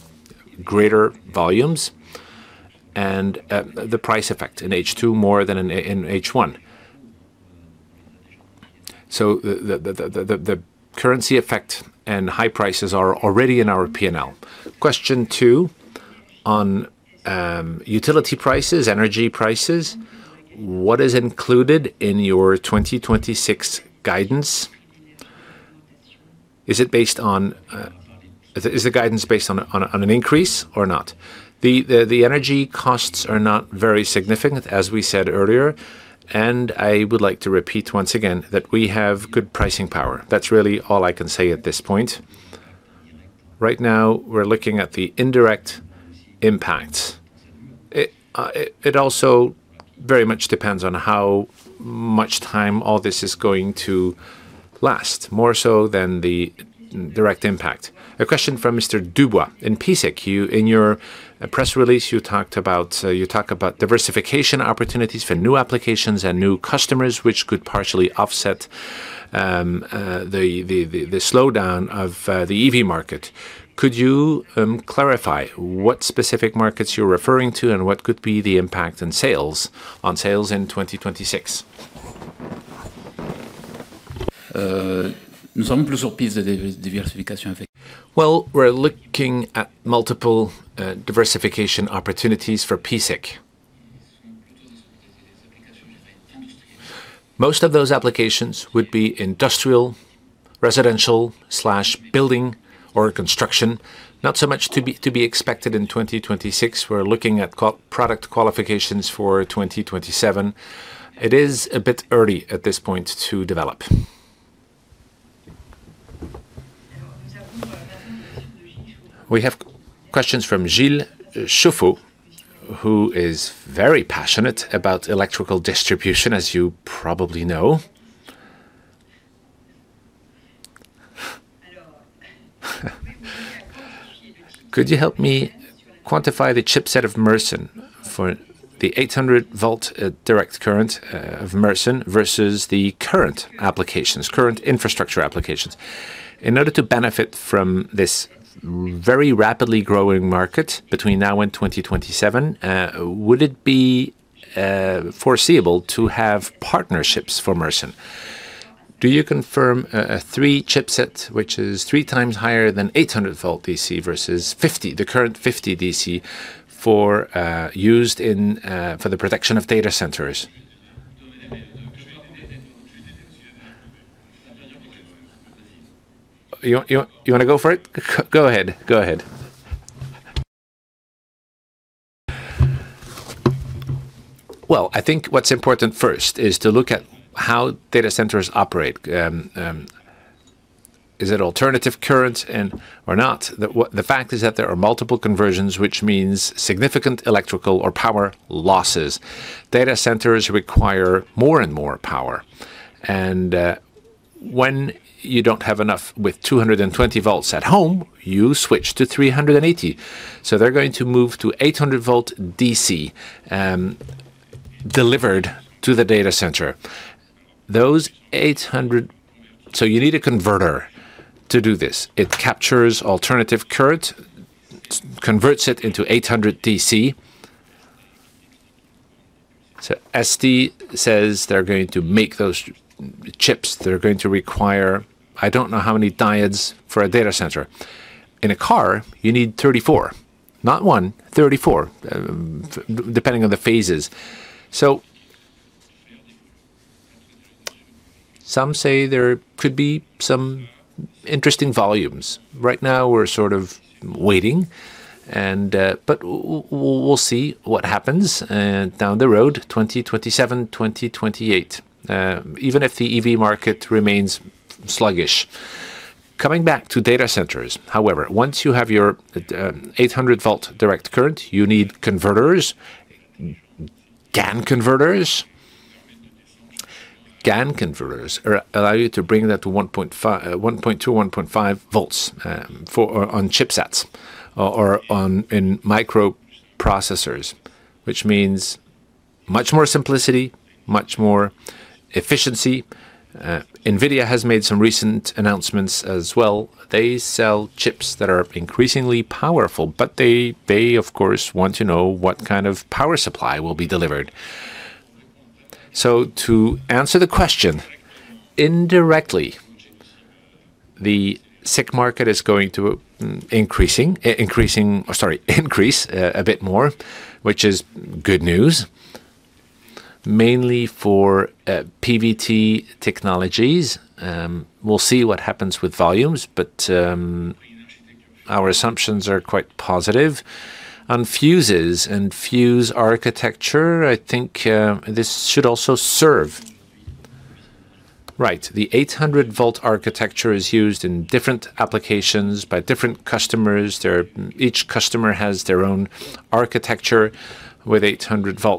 greater volumes and the price effect in H2 more than in H1. The currency effect and high prices are already in our P&L. Question two on utility prices, energy prices. What is included in your 2026 guidance? Is the guidance based on an increase or not? The energy costs are not very significant, as we said earlier, and I would like to repeat once again that we have good pricing power. That's really all I can say at this point. Right now, we're looking at the indirect impact. It also very much depends on how much time all this is going to last, more so than the direct impact. A question from Mr. Dubois. In p-SiC, in your press release, you talked about diversification opportunities for new applications and new customers, which could partially offset the slowdown of the EV market. Could you clarify what specific markets you're referring to and what could be the impact on sales in 2026? Uh, (inaudible) Well, we're looking at multiple diversification opportunities for p-SiC. Most of those applications would be industrial, residential/building or construction. Not so much to be expected in 2026. We're looking at product qualifications for 2027. It is a bit early at this point to develop. We have questions from Gilles Chauffour, who is very passionate about electrical distribution, as you probably know. Could you help me quantify the chipset of Mersen for the 800 V direct current of Mersen versus the current applications, current infrastructure applications? In order to benefit from this very rapidly growing market between now and 2027, would it be foreseeable to have partnerships for Mersen? Do you confirm a three chipset, which is 3x higher than 800 V DC versus 48, the current 48 V DC used in the protection of data centers? You wanna go for it? Go ahead. Well, I think what's important first is to look at how data centers operate. Is it alternating current AC or not? The fact is that there are multiple conversions, which means significant electrical or power losses. Data centers require more and more power. When you don't have enough with 220 V at home, you switch to 380 V. They're going to move to 800 V DC delivered to the data center. You need a converter to do this. It captures alternating current, converts it into 800 DC. ST says they're going to make those chips. They're going to require I don't know how many diodes for a data center. In a car, you need 34. Not one, 34, depending on the phases. Some say there could be some interesting volumes. Right now, we're sort of waiting and, but we'll see what happens, down the road, 2027, 2028, even if the EV market remains sluggish. Coming back to data centers, however, once you have your 800 V direct current, you need converters, GaN converters. GaN converters allow you to bring that to 1.2 V, 1.5 V, for on chipsets or on microprocessors, which means much more simplicity, much more efficiency. NVIDIA has made some recent announcements as well. They sell chips that are increasingly powerful, but they of course want to know what kind of power supply will be delivered. To answer the question, indirectly, the SiC market is going to increase a bit more, which is good news, mainly for PVT technologies. We'll see what happens with volumes, but our assumptions are quite positive. On fuses and fuse architecture, I think this should also serve. Right. The 800 V architecture is used in different applications by different customers. Each customer has their own architecture with 800 V.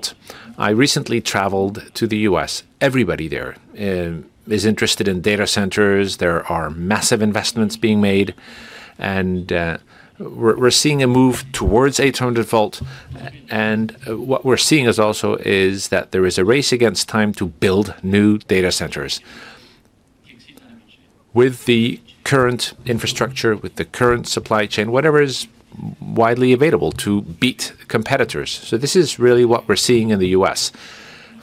I recently traveled to the U.S. Everybody there is interested in data centers. There are massive investments being made, and we're seeing a move towards 800 V. What we're seeing is that there is a race against time to build new data centers. With the current infrastructure, with the current supply chain, whatever is widely available to beat competitors. This is really what we're seeing in the U.S.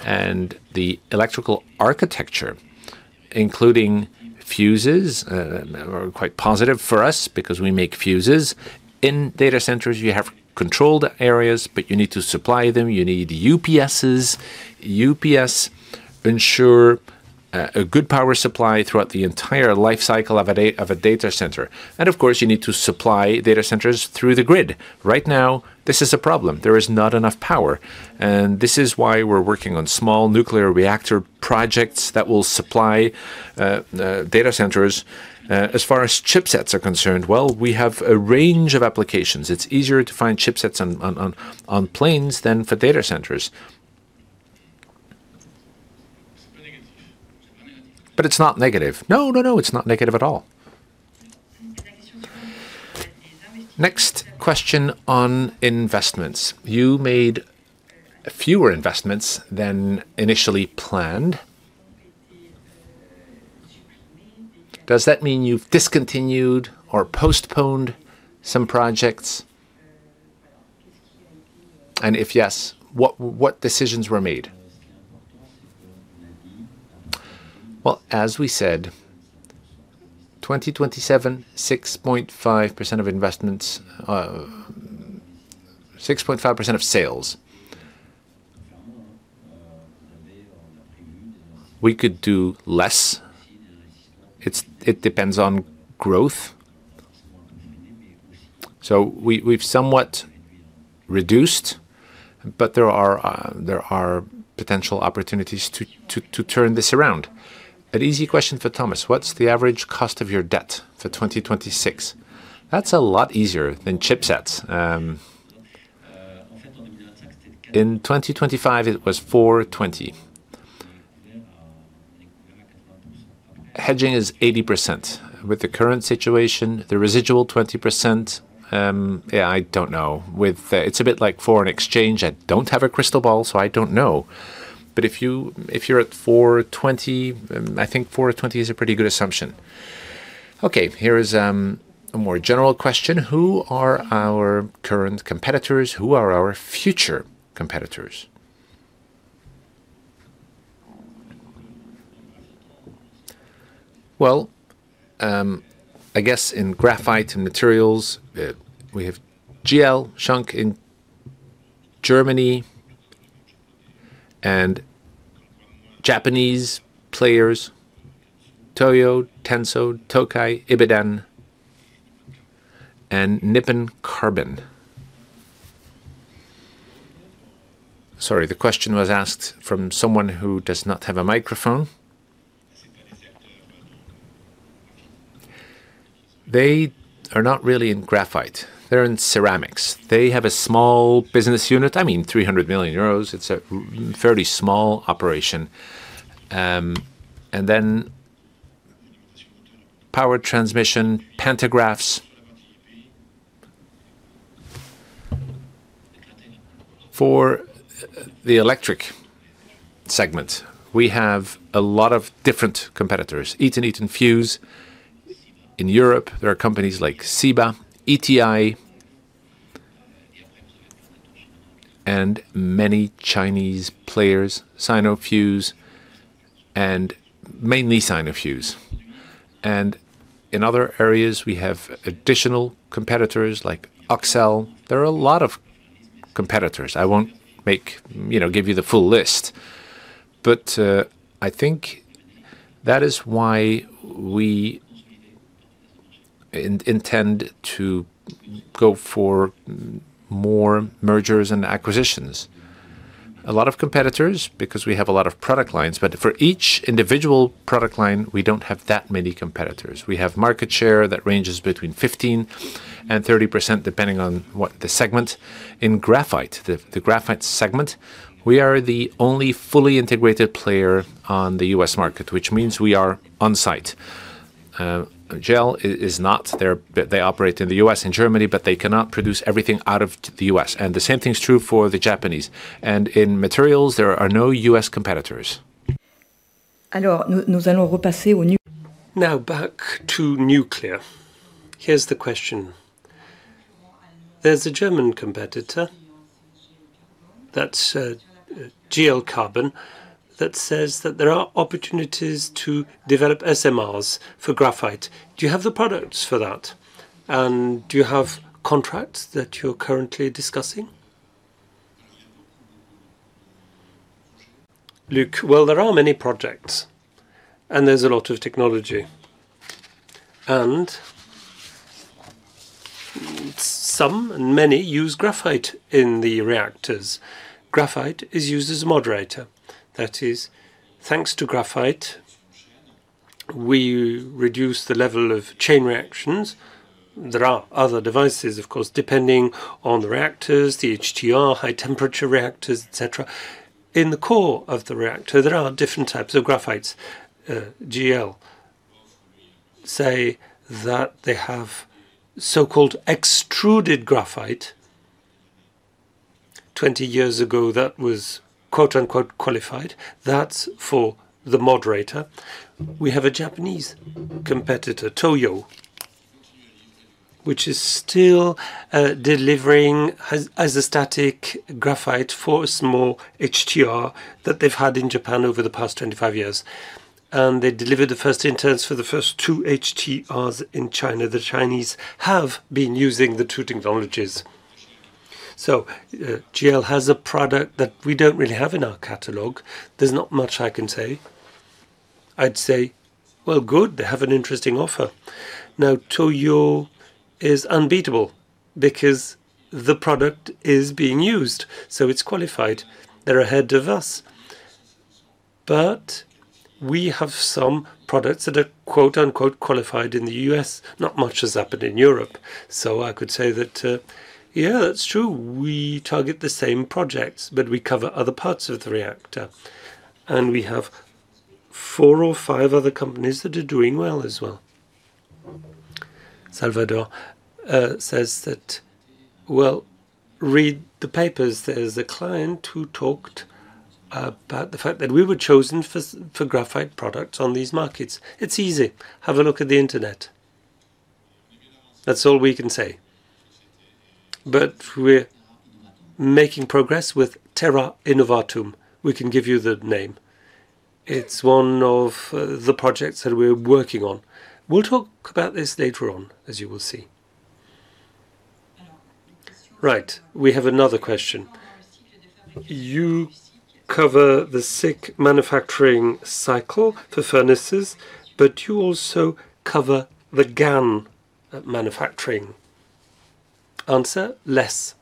The electrical architecture, including fuses, are quite positive for us because we make fuses. In data centers, you have controlled areas, but you need to supply them. You need UPSs. UPS ensure a good power supply throughout the entire life cycle of a data center. Of course, you need to supply data centers through the grid. Right now, this is a problem. There is not enough power, and this is why we're working on small nuclear reactor projects that will supply data centers. As far as chipsets are concerned, well, we have a range of applications. It's easier to find chipsets on planes than for data centers. It's not negative. No, it's not negative at all. Next question on investments. You made fewer investments than initially planned. Does that mean you've discontinued or postponed some projects? If yes, what decisions were made? Well, as we said, 2027, 6.5% of investments, 6.5% of sales. We could do less. It depends on growth. We've somewhat reduced, but there are potential opportunities to turn this around. An easy question for Thomas: What's the average cost of your debt for 2026? That's a lot easier than chipsets. In 2025, it was 4.20. Hedging is 80%. With the current situation, the residual 20%, I don't know. It's a bit like foreign exchange. I don't have a crystal ball, so I don't know. But if you, if you're at 420, I think 420 is a pretty good assumption. Okay. Here is a more general question. Who are our current competitors? Who are our future competitors? Well, I guess in graphite and materials, we have SGL, Schunk Group in Germany and Japanese players, Toyo Tanso, Tokai, Ibiden, and Nippon Carbon. Sorry, the question was asked from someone who does not have a microphone. They are not really in graphite. They're in ceramics. They have a small business unit. I mean, 300 million euros. It's a fairly small operation. And then power transmission, pantographs. For the electric segment, we have a lot of different competitors. Eaton Bussmann. In Europe, there are companies like SIBA, ETI, and many Chinese players, Sinofuse, and mainly Sinofuse. In other areas, we have additional competitors like Auxel. There are a lot of competitors. I won't, you know, give you the full list. I think that is why we intend to go for more mergers and acquisitions. A lot of competitors because we have a lot of product lines, but for each individual product line, we don't have that many competitors. We have market share that ranges between 15%-30%, depending on what the segment. In the graphite segment, we are the only fully integrated player on the U.S. market, which means we are on site. SGL. They operate in the U.S. and Germany, but they cannot produce everything out of the U.S., and the same thing is true for the Japanese. In materials, there are no U.S. competitors. Now back to nuclear. Here's the question. There's a German competitor, that's SGL Carbon, that says that there are opportunities to develop SMRs for graphite. Do you have the products for that? And do you have contracts that you're currently discussing? Look, well, there are many projects, and there's a lot of technology, and many use graphite in the reactors. Graphite is used as a moderator. That is, thanks to graphite, we reduce the level of chain reactions. There are other devices, of course, depending on the reactors, the HTR, high temperature reactors, et cetera. In the core of the reactor, there are different types of graphites. SGL Carbon say that they have so-called extruded graphite. 20 years ago, that was, quote-unquote, qualified. That's for the moderator. We have a Japanese competitor, Toyo, which is still delivering isostatic graphite for a small HTR that they've had in Japan over the past 25 years, and they delivered the first inserts for the first two HTRs in China. The Chinese have been using the two technologies. SGL has a product that we don't really have in our catalog. There's not much I can say. I'd say, "Well, good, they have an interesting offer." Now, Toyo is unbeatable because the product is being used, so it's qualified. They're ahead of us. We have some products that are, quote-unquote, qualified in the U.S. Not much has happened in Europe. I could say that, yeah, that's true. We target the same projects, but we cover other parts of the reactor, and we have four or five other companies that are doing well as well. Salvador says that, well, read the papers. There's a client who talked about the fact that we were chosen for graphite products on these markets. It's easy. Have a look at the internet. That's all we can say. We're making progress with Terra Innovatum. We can give you the name. It's one of the projects that we're working on. We'll talk about this later on, as you will see. Right. We have another question. You cover the SiC manufacturing cycle for furnaces, but you also cover the GaN manufacturing. Answer: Less.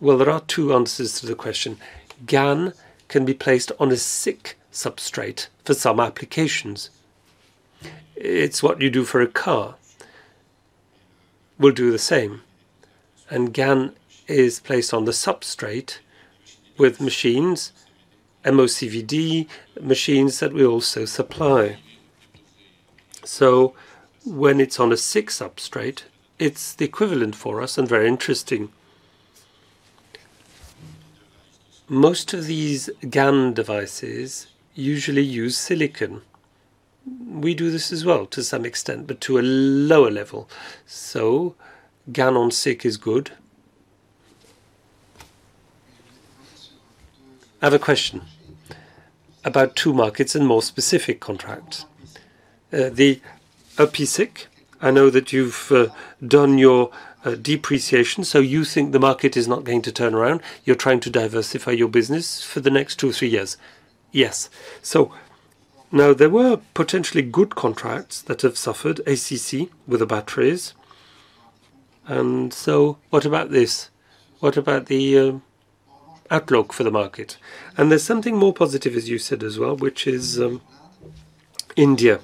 Well, there are two answers to the question. GaN can be placed on a SiC substrate for some applications. It's what you do for a car. We'll do the same. GaN is placed on the substrate with machines, MOCVD machines that we also supply. When it's on a SiC substrate, it's the equivalent for us and very interesting. Most of these GaN devices usually use silicon. We do this as well to some extent, but to a lower level. GaN on SiC is good. I have a question about two markets and more specific contracts. The epi-SiC, I know that you've done your depreciation, so you think the market is not going to turn around. You're trying to diversify your business for the next two to three years. Yes. Now there were potentially good contracts that have suffered, ACC with the batteries, and what about this? What about the outlook for the market? There's something more positive, as you said as well, which is India.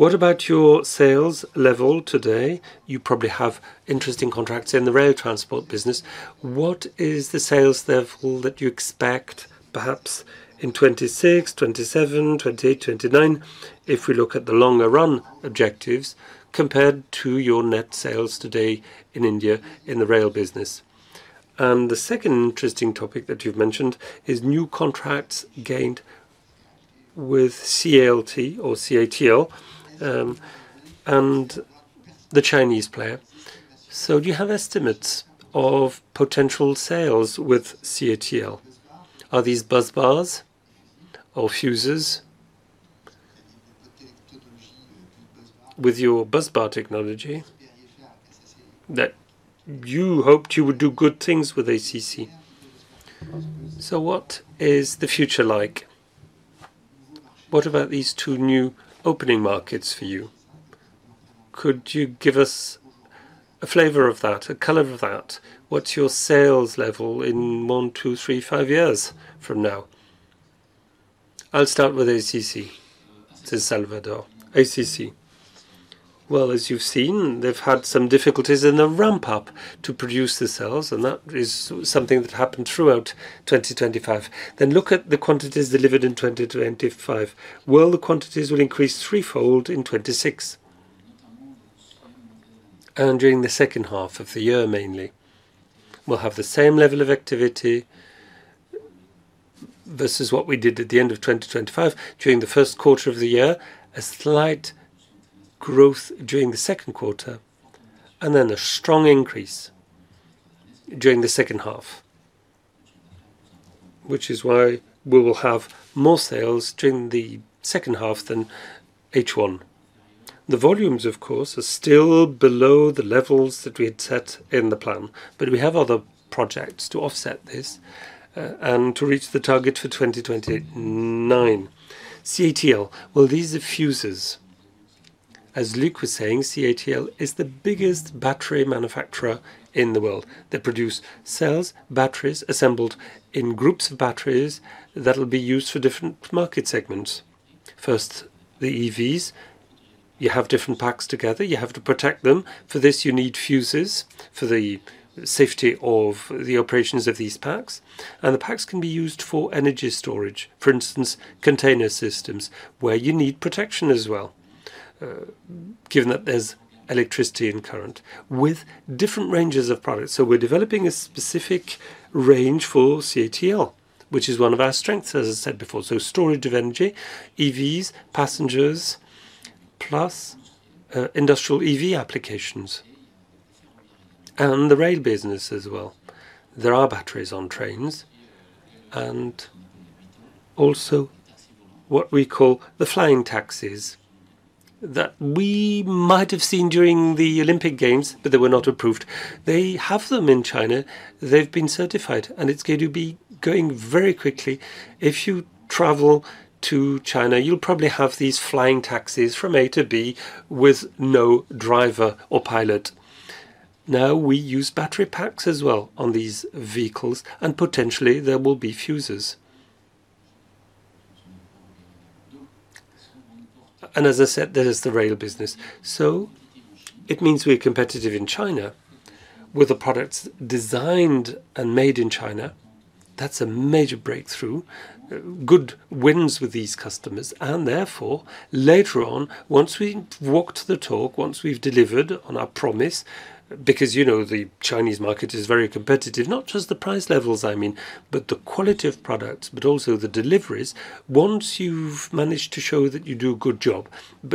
What about your sales level today? You probably have interesting contracts in the rail transport business. What is the sales level that you expect perhaps in 2026, 2027, 2028, 2029, if we look at the longer run objectives compared to your net sales today in India in the rail business? The second interesting topic that you've mentioned is new contracts gained with CATL, and the Chinese player. Do you have estimates of potential sales with CATL? Are these busbars or fuses with your busbar technology that you hoped you would do good things with ACC? What is the future like? What about these two new opening markets for you? Could you give us a flavor of that, a color of that? What's your sales level in one, two, three, five years from now? I'll start with ACC, says Salvador. Well, as you've seen, they've had some difficulties in the ramp up to produce the cells, and that is something that happened throughout 2025. Look at the quantities delivered in 2025. Well, the quantities will increase threefold in 2026. During the H2 of the year mainly. We'll have the same level of activity versus what we did at the end of 2025 during the Q1 of the year, a slight growth during the Q2, and then a strong increase during the H2, which is why we will have more sales during the H2 than H1. The volumes, of course, are still below the levels that we had set in the plan, but we have other projects to offset this, and to reach the target for 2029. CATL. Well, these are fuses. As Luc was saying, CATL is the biggest battery manufacturer in the world. They produce cells, batteries assembled in groups of batteries that'll be used for different market segments. First, the EVs, you have different packs together. You have to protect them. For this you need fuses for the safety of the operations of these packs. The packs can be used for energy storage. For instance, container systems where you need protection as well, given that there's electricity and current with different ranges of products. We're developing a specific range for CATL, which is one of our strengths, as I said before. Storage of energy, EVs, passengers, plus, industrial EV applications and the rail business as well. There are batteries on trains and also what we call the flying taxis that we might have seen during the Olympic Games, but they were not approved. They have them in China. They've been certified, and it's going to be going very quickly. If you travel to China, you'll probably have these flying taxis from A to B with no driver or pilot. Now, we use battery packs as well on these vehicles, and potentially there will be fuses. As I said, there is the rail business. It means we're competitive in China with the products designed and made in China. That's a major breakthrough. Good wins with these customers and therefore later on, once we walk the talk, once we've delivered on our promise, because, you know, the Chinese market is very competitive, not just the price levels I mean, but the quality of products, but also the deliveries. Once you've managed to show that you do a good job.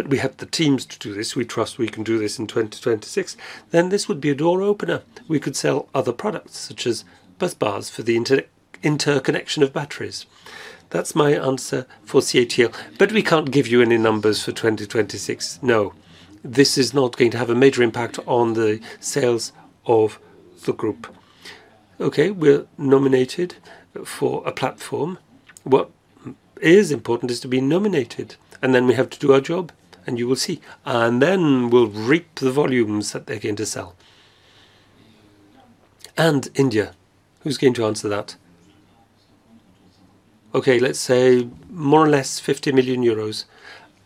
We have the teams to do this. We trust we can do this in 2026. Then this would be a door opener. We could sell other products such as bus bars for the interconnection of batteries. That's my answer for CATL. We can't give you any numbers for 2026, no. This is not going to have a major impact on the sales of the group. Okay, we're nominated for a platform. What is important is to be nominated, and then we have to do our job, and you will see. Then we'll reap the volumes that they're going to sell. India, who's going to answer that? Okay, let's say more or less 50 million euros.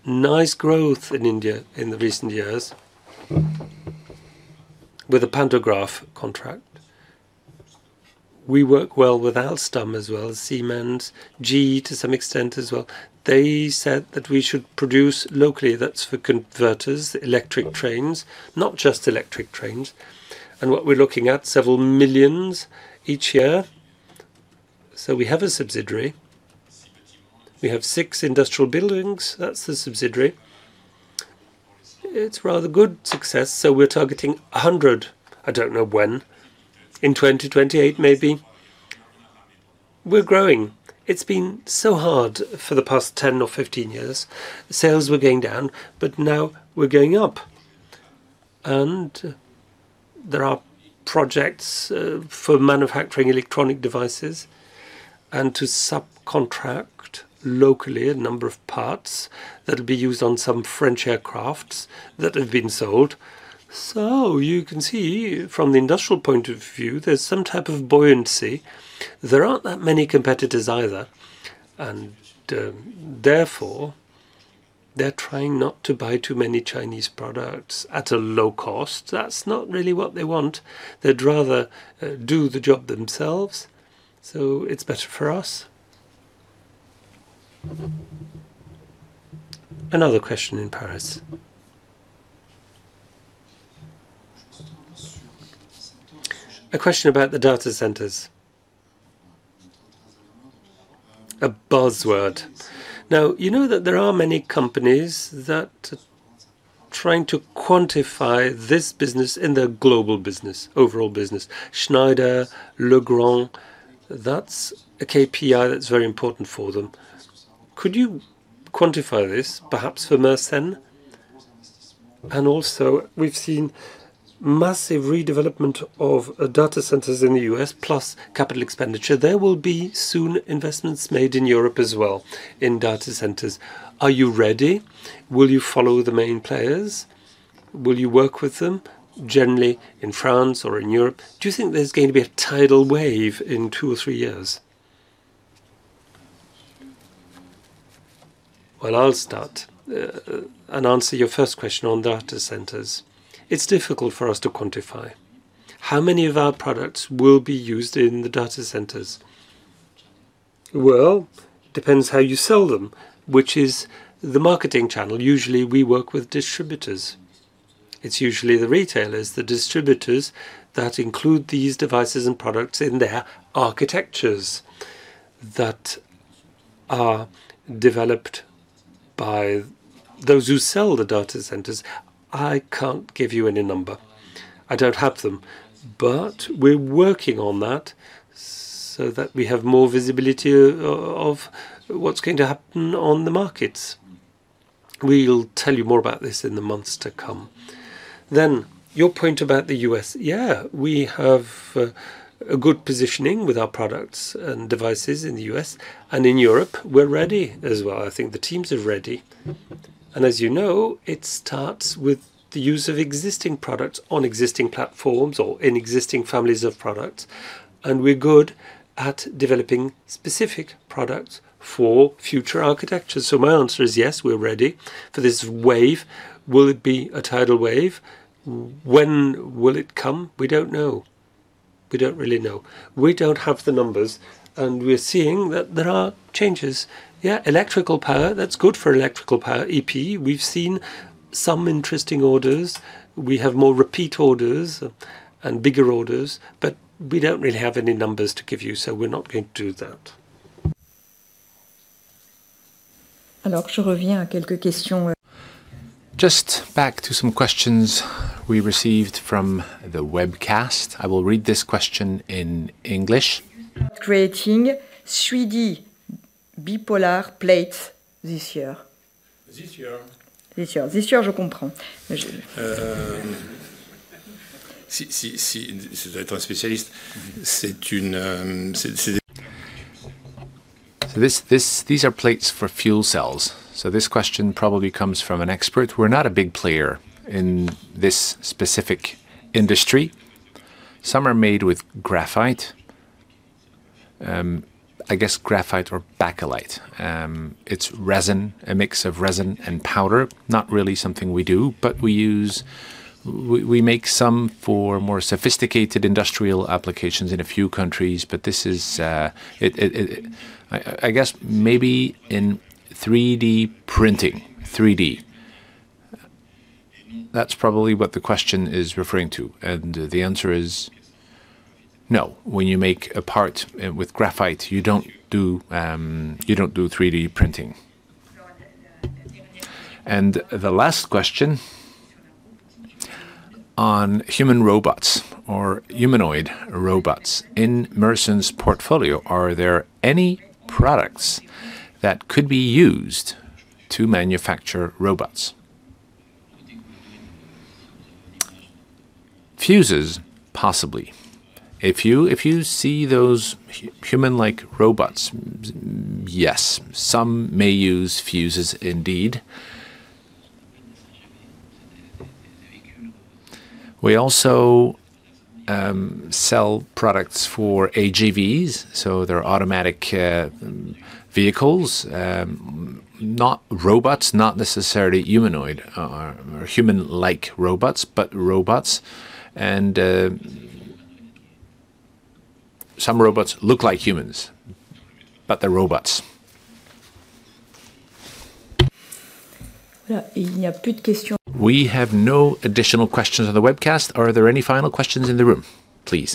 Nice growth in India in the recent years with a pantograph contract. We work well with Alstom as well as Siemens, GE to some extent as well. They said that we should produce locally. That's for converters, electric trains, not just electric trains. What we're looking at several million each year. We have a subsidiary. We have six industrial buildings. That's the subsidiary. It's rather good success. We're targeting 100, I don't know when, in 2028 maybe. We're growing. It's been so hard for the past 10 or 15 years. Sales were going down, but now we're going up. There are projects for manufacturing electronic devices and to subcontract locally a number of parts that'll be used on some French aircraft that have been sold. You can see from the industrial point of view, there's some type of buoyancy. There aren't that many competitors either and therefore, they're trying not to buy too many Chinese products at a low cost. That's not really what they want. They'd rather do the job themselves, so it's better for us. Another question in Paris. A question about the data centers. A buzzword. Now, you know that there are many companies that are trying to quantify this business in their global business, overall business. Schneider, Legrand, that's a KPI that's very important for them. Could you quantify this perhaps for Mersen? And also, we've seen massive redevelopment of data centers in the U.S. plus capital expenditure. There will be soon investments made in Europe as well in data centers. Are you ready? Will you follow the main players? Will you work with them generally in France or in Europe? Do you think there's going to be a tidal wave in two or three years? Well, I'll start and answer your first question on data centers. It's difficult for us to quantify how many of our products will be used in the data centers. Well, depends how you sell them, which is the marketing channel. Usually, we work with distributors. It's usually the retailers, the distributors that include these devices and products in their architectures that are developed by those who sell the data centers. I can't give you any number. I don't have them. But we're working on that so that we have more visibility of what's going to happen on the markets. We'll tell you more about this in the months to come. Your point about the U.S., yeah, we have a good positioning with our products and devices in the U.S., and in Europe we're ready as well. I think the teams are ready. As you know, it starts with the use of existing products on existing platforms or in existing families of products, and we're good at developing specific products for future architectures. My answer is yes, we're ready for this wave. Will it be a tidal wave? When will it come? We don't know. We don't really know. We don't have the numbers, and we're seeing that there are changes. Yeah. Electrical Power, that's good for Electrical Power, EP. We've seen some interesting orders. We have more repeat orders and bigger orders, but we don't really have any numbers to give you, so we're not going to do that. Just back to some questions we received from the webcast. I will read this question in English. You start creating 3D bipolar plate this year. This year? This year. These are plates for fuel cells, so this question probably comes from an expert. We're not a big player in this specific industry. Some are made with graphite. I guess graphite or Bakelite. It's resin, a mix of resin and powder. Not really something we do. We make some for more sophisticated industrial applications in a few countries, but this is it. I guess maybe in 3D printing. 3D. That's probably what the question is referring to, and the answer is no. When you make a part with graphite, you don't do 3D printing. The last question on human robots or humanoid robots. In Mersen's portfolio, are there any products that could be used to manufacture robots? Fuses, possibly. If you see those human-like robots, yes, some may use fuses indeed. We also sell products for AGVs, so they're automatic vehicles. Not robots, not necessarily humanoid or human-like robots, but robots. Some robots look like humans, but they're robots. We have no additional questions on the webcast. Are there any final questions in the room, please?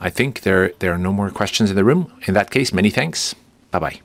I think there are no more questions in the room. In that case, many thanks. Bye-bye.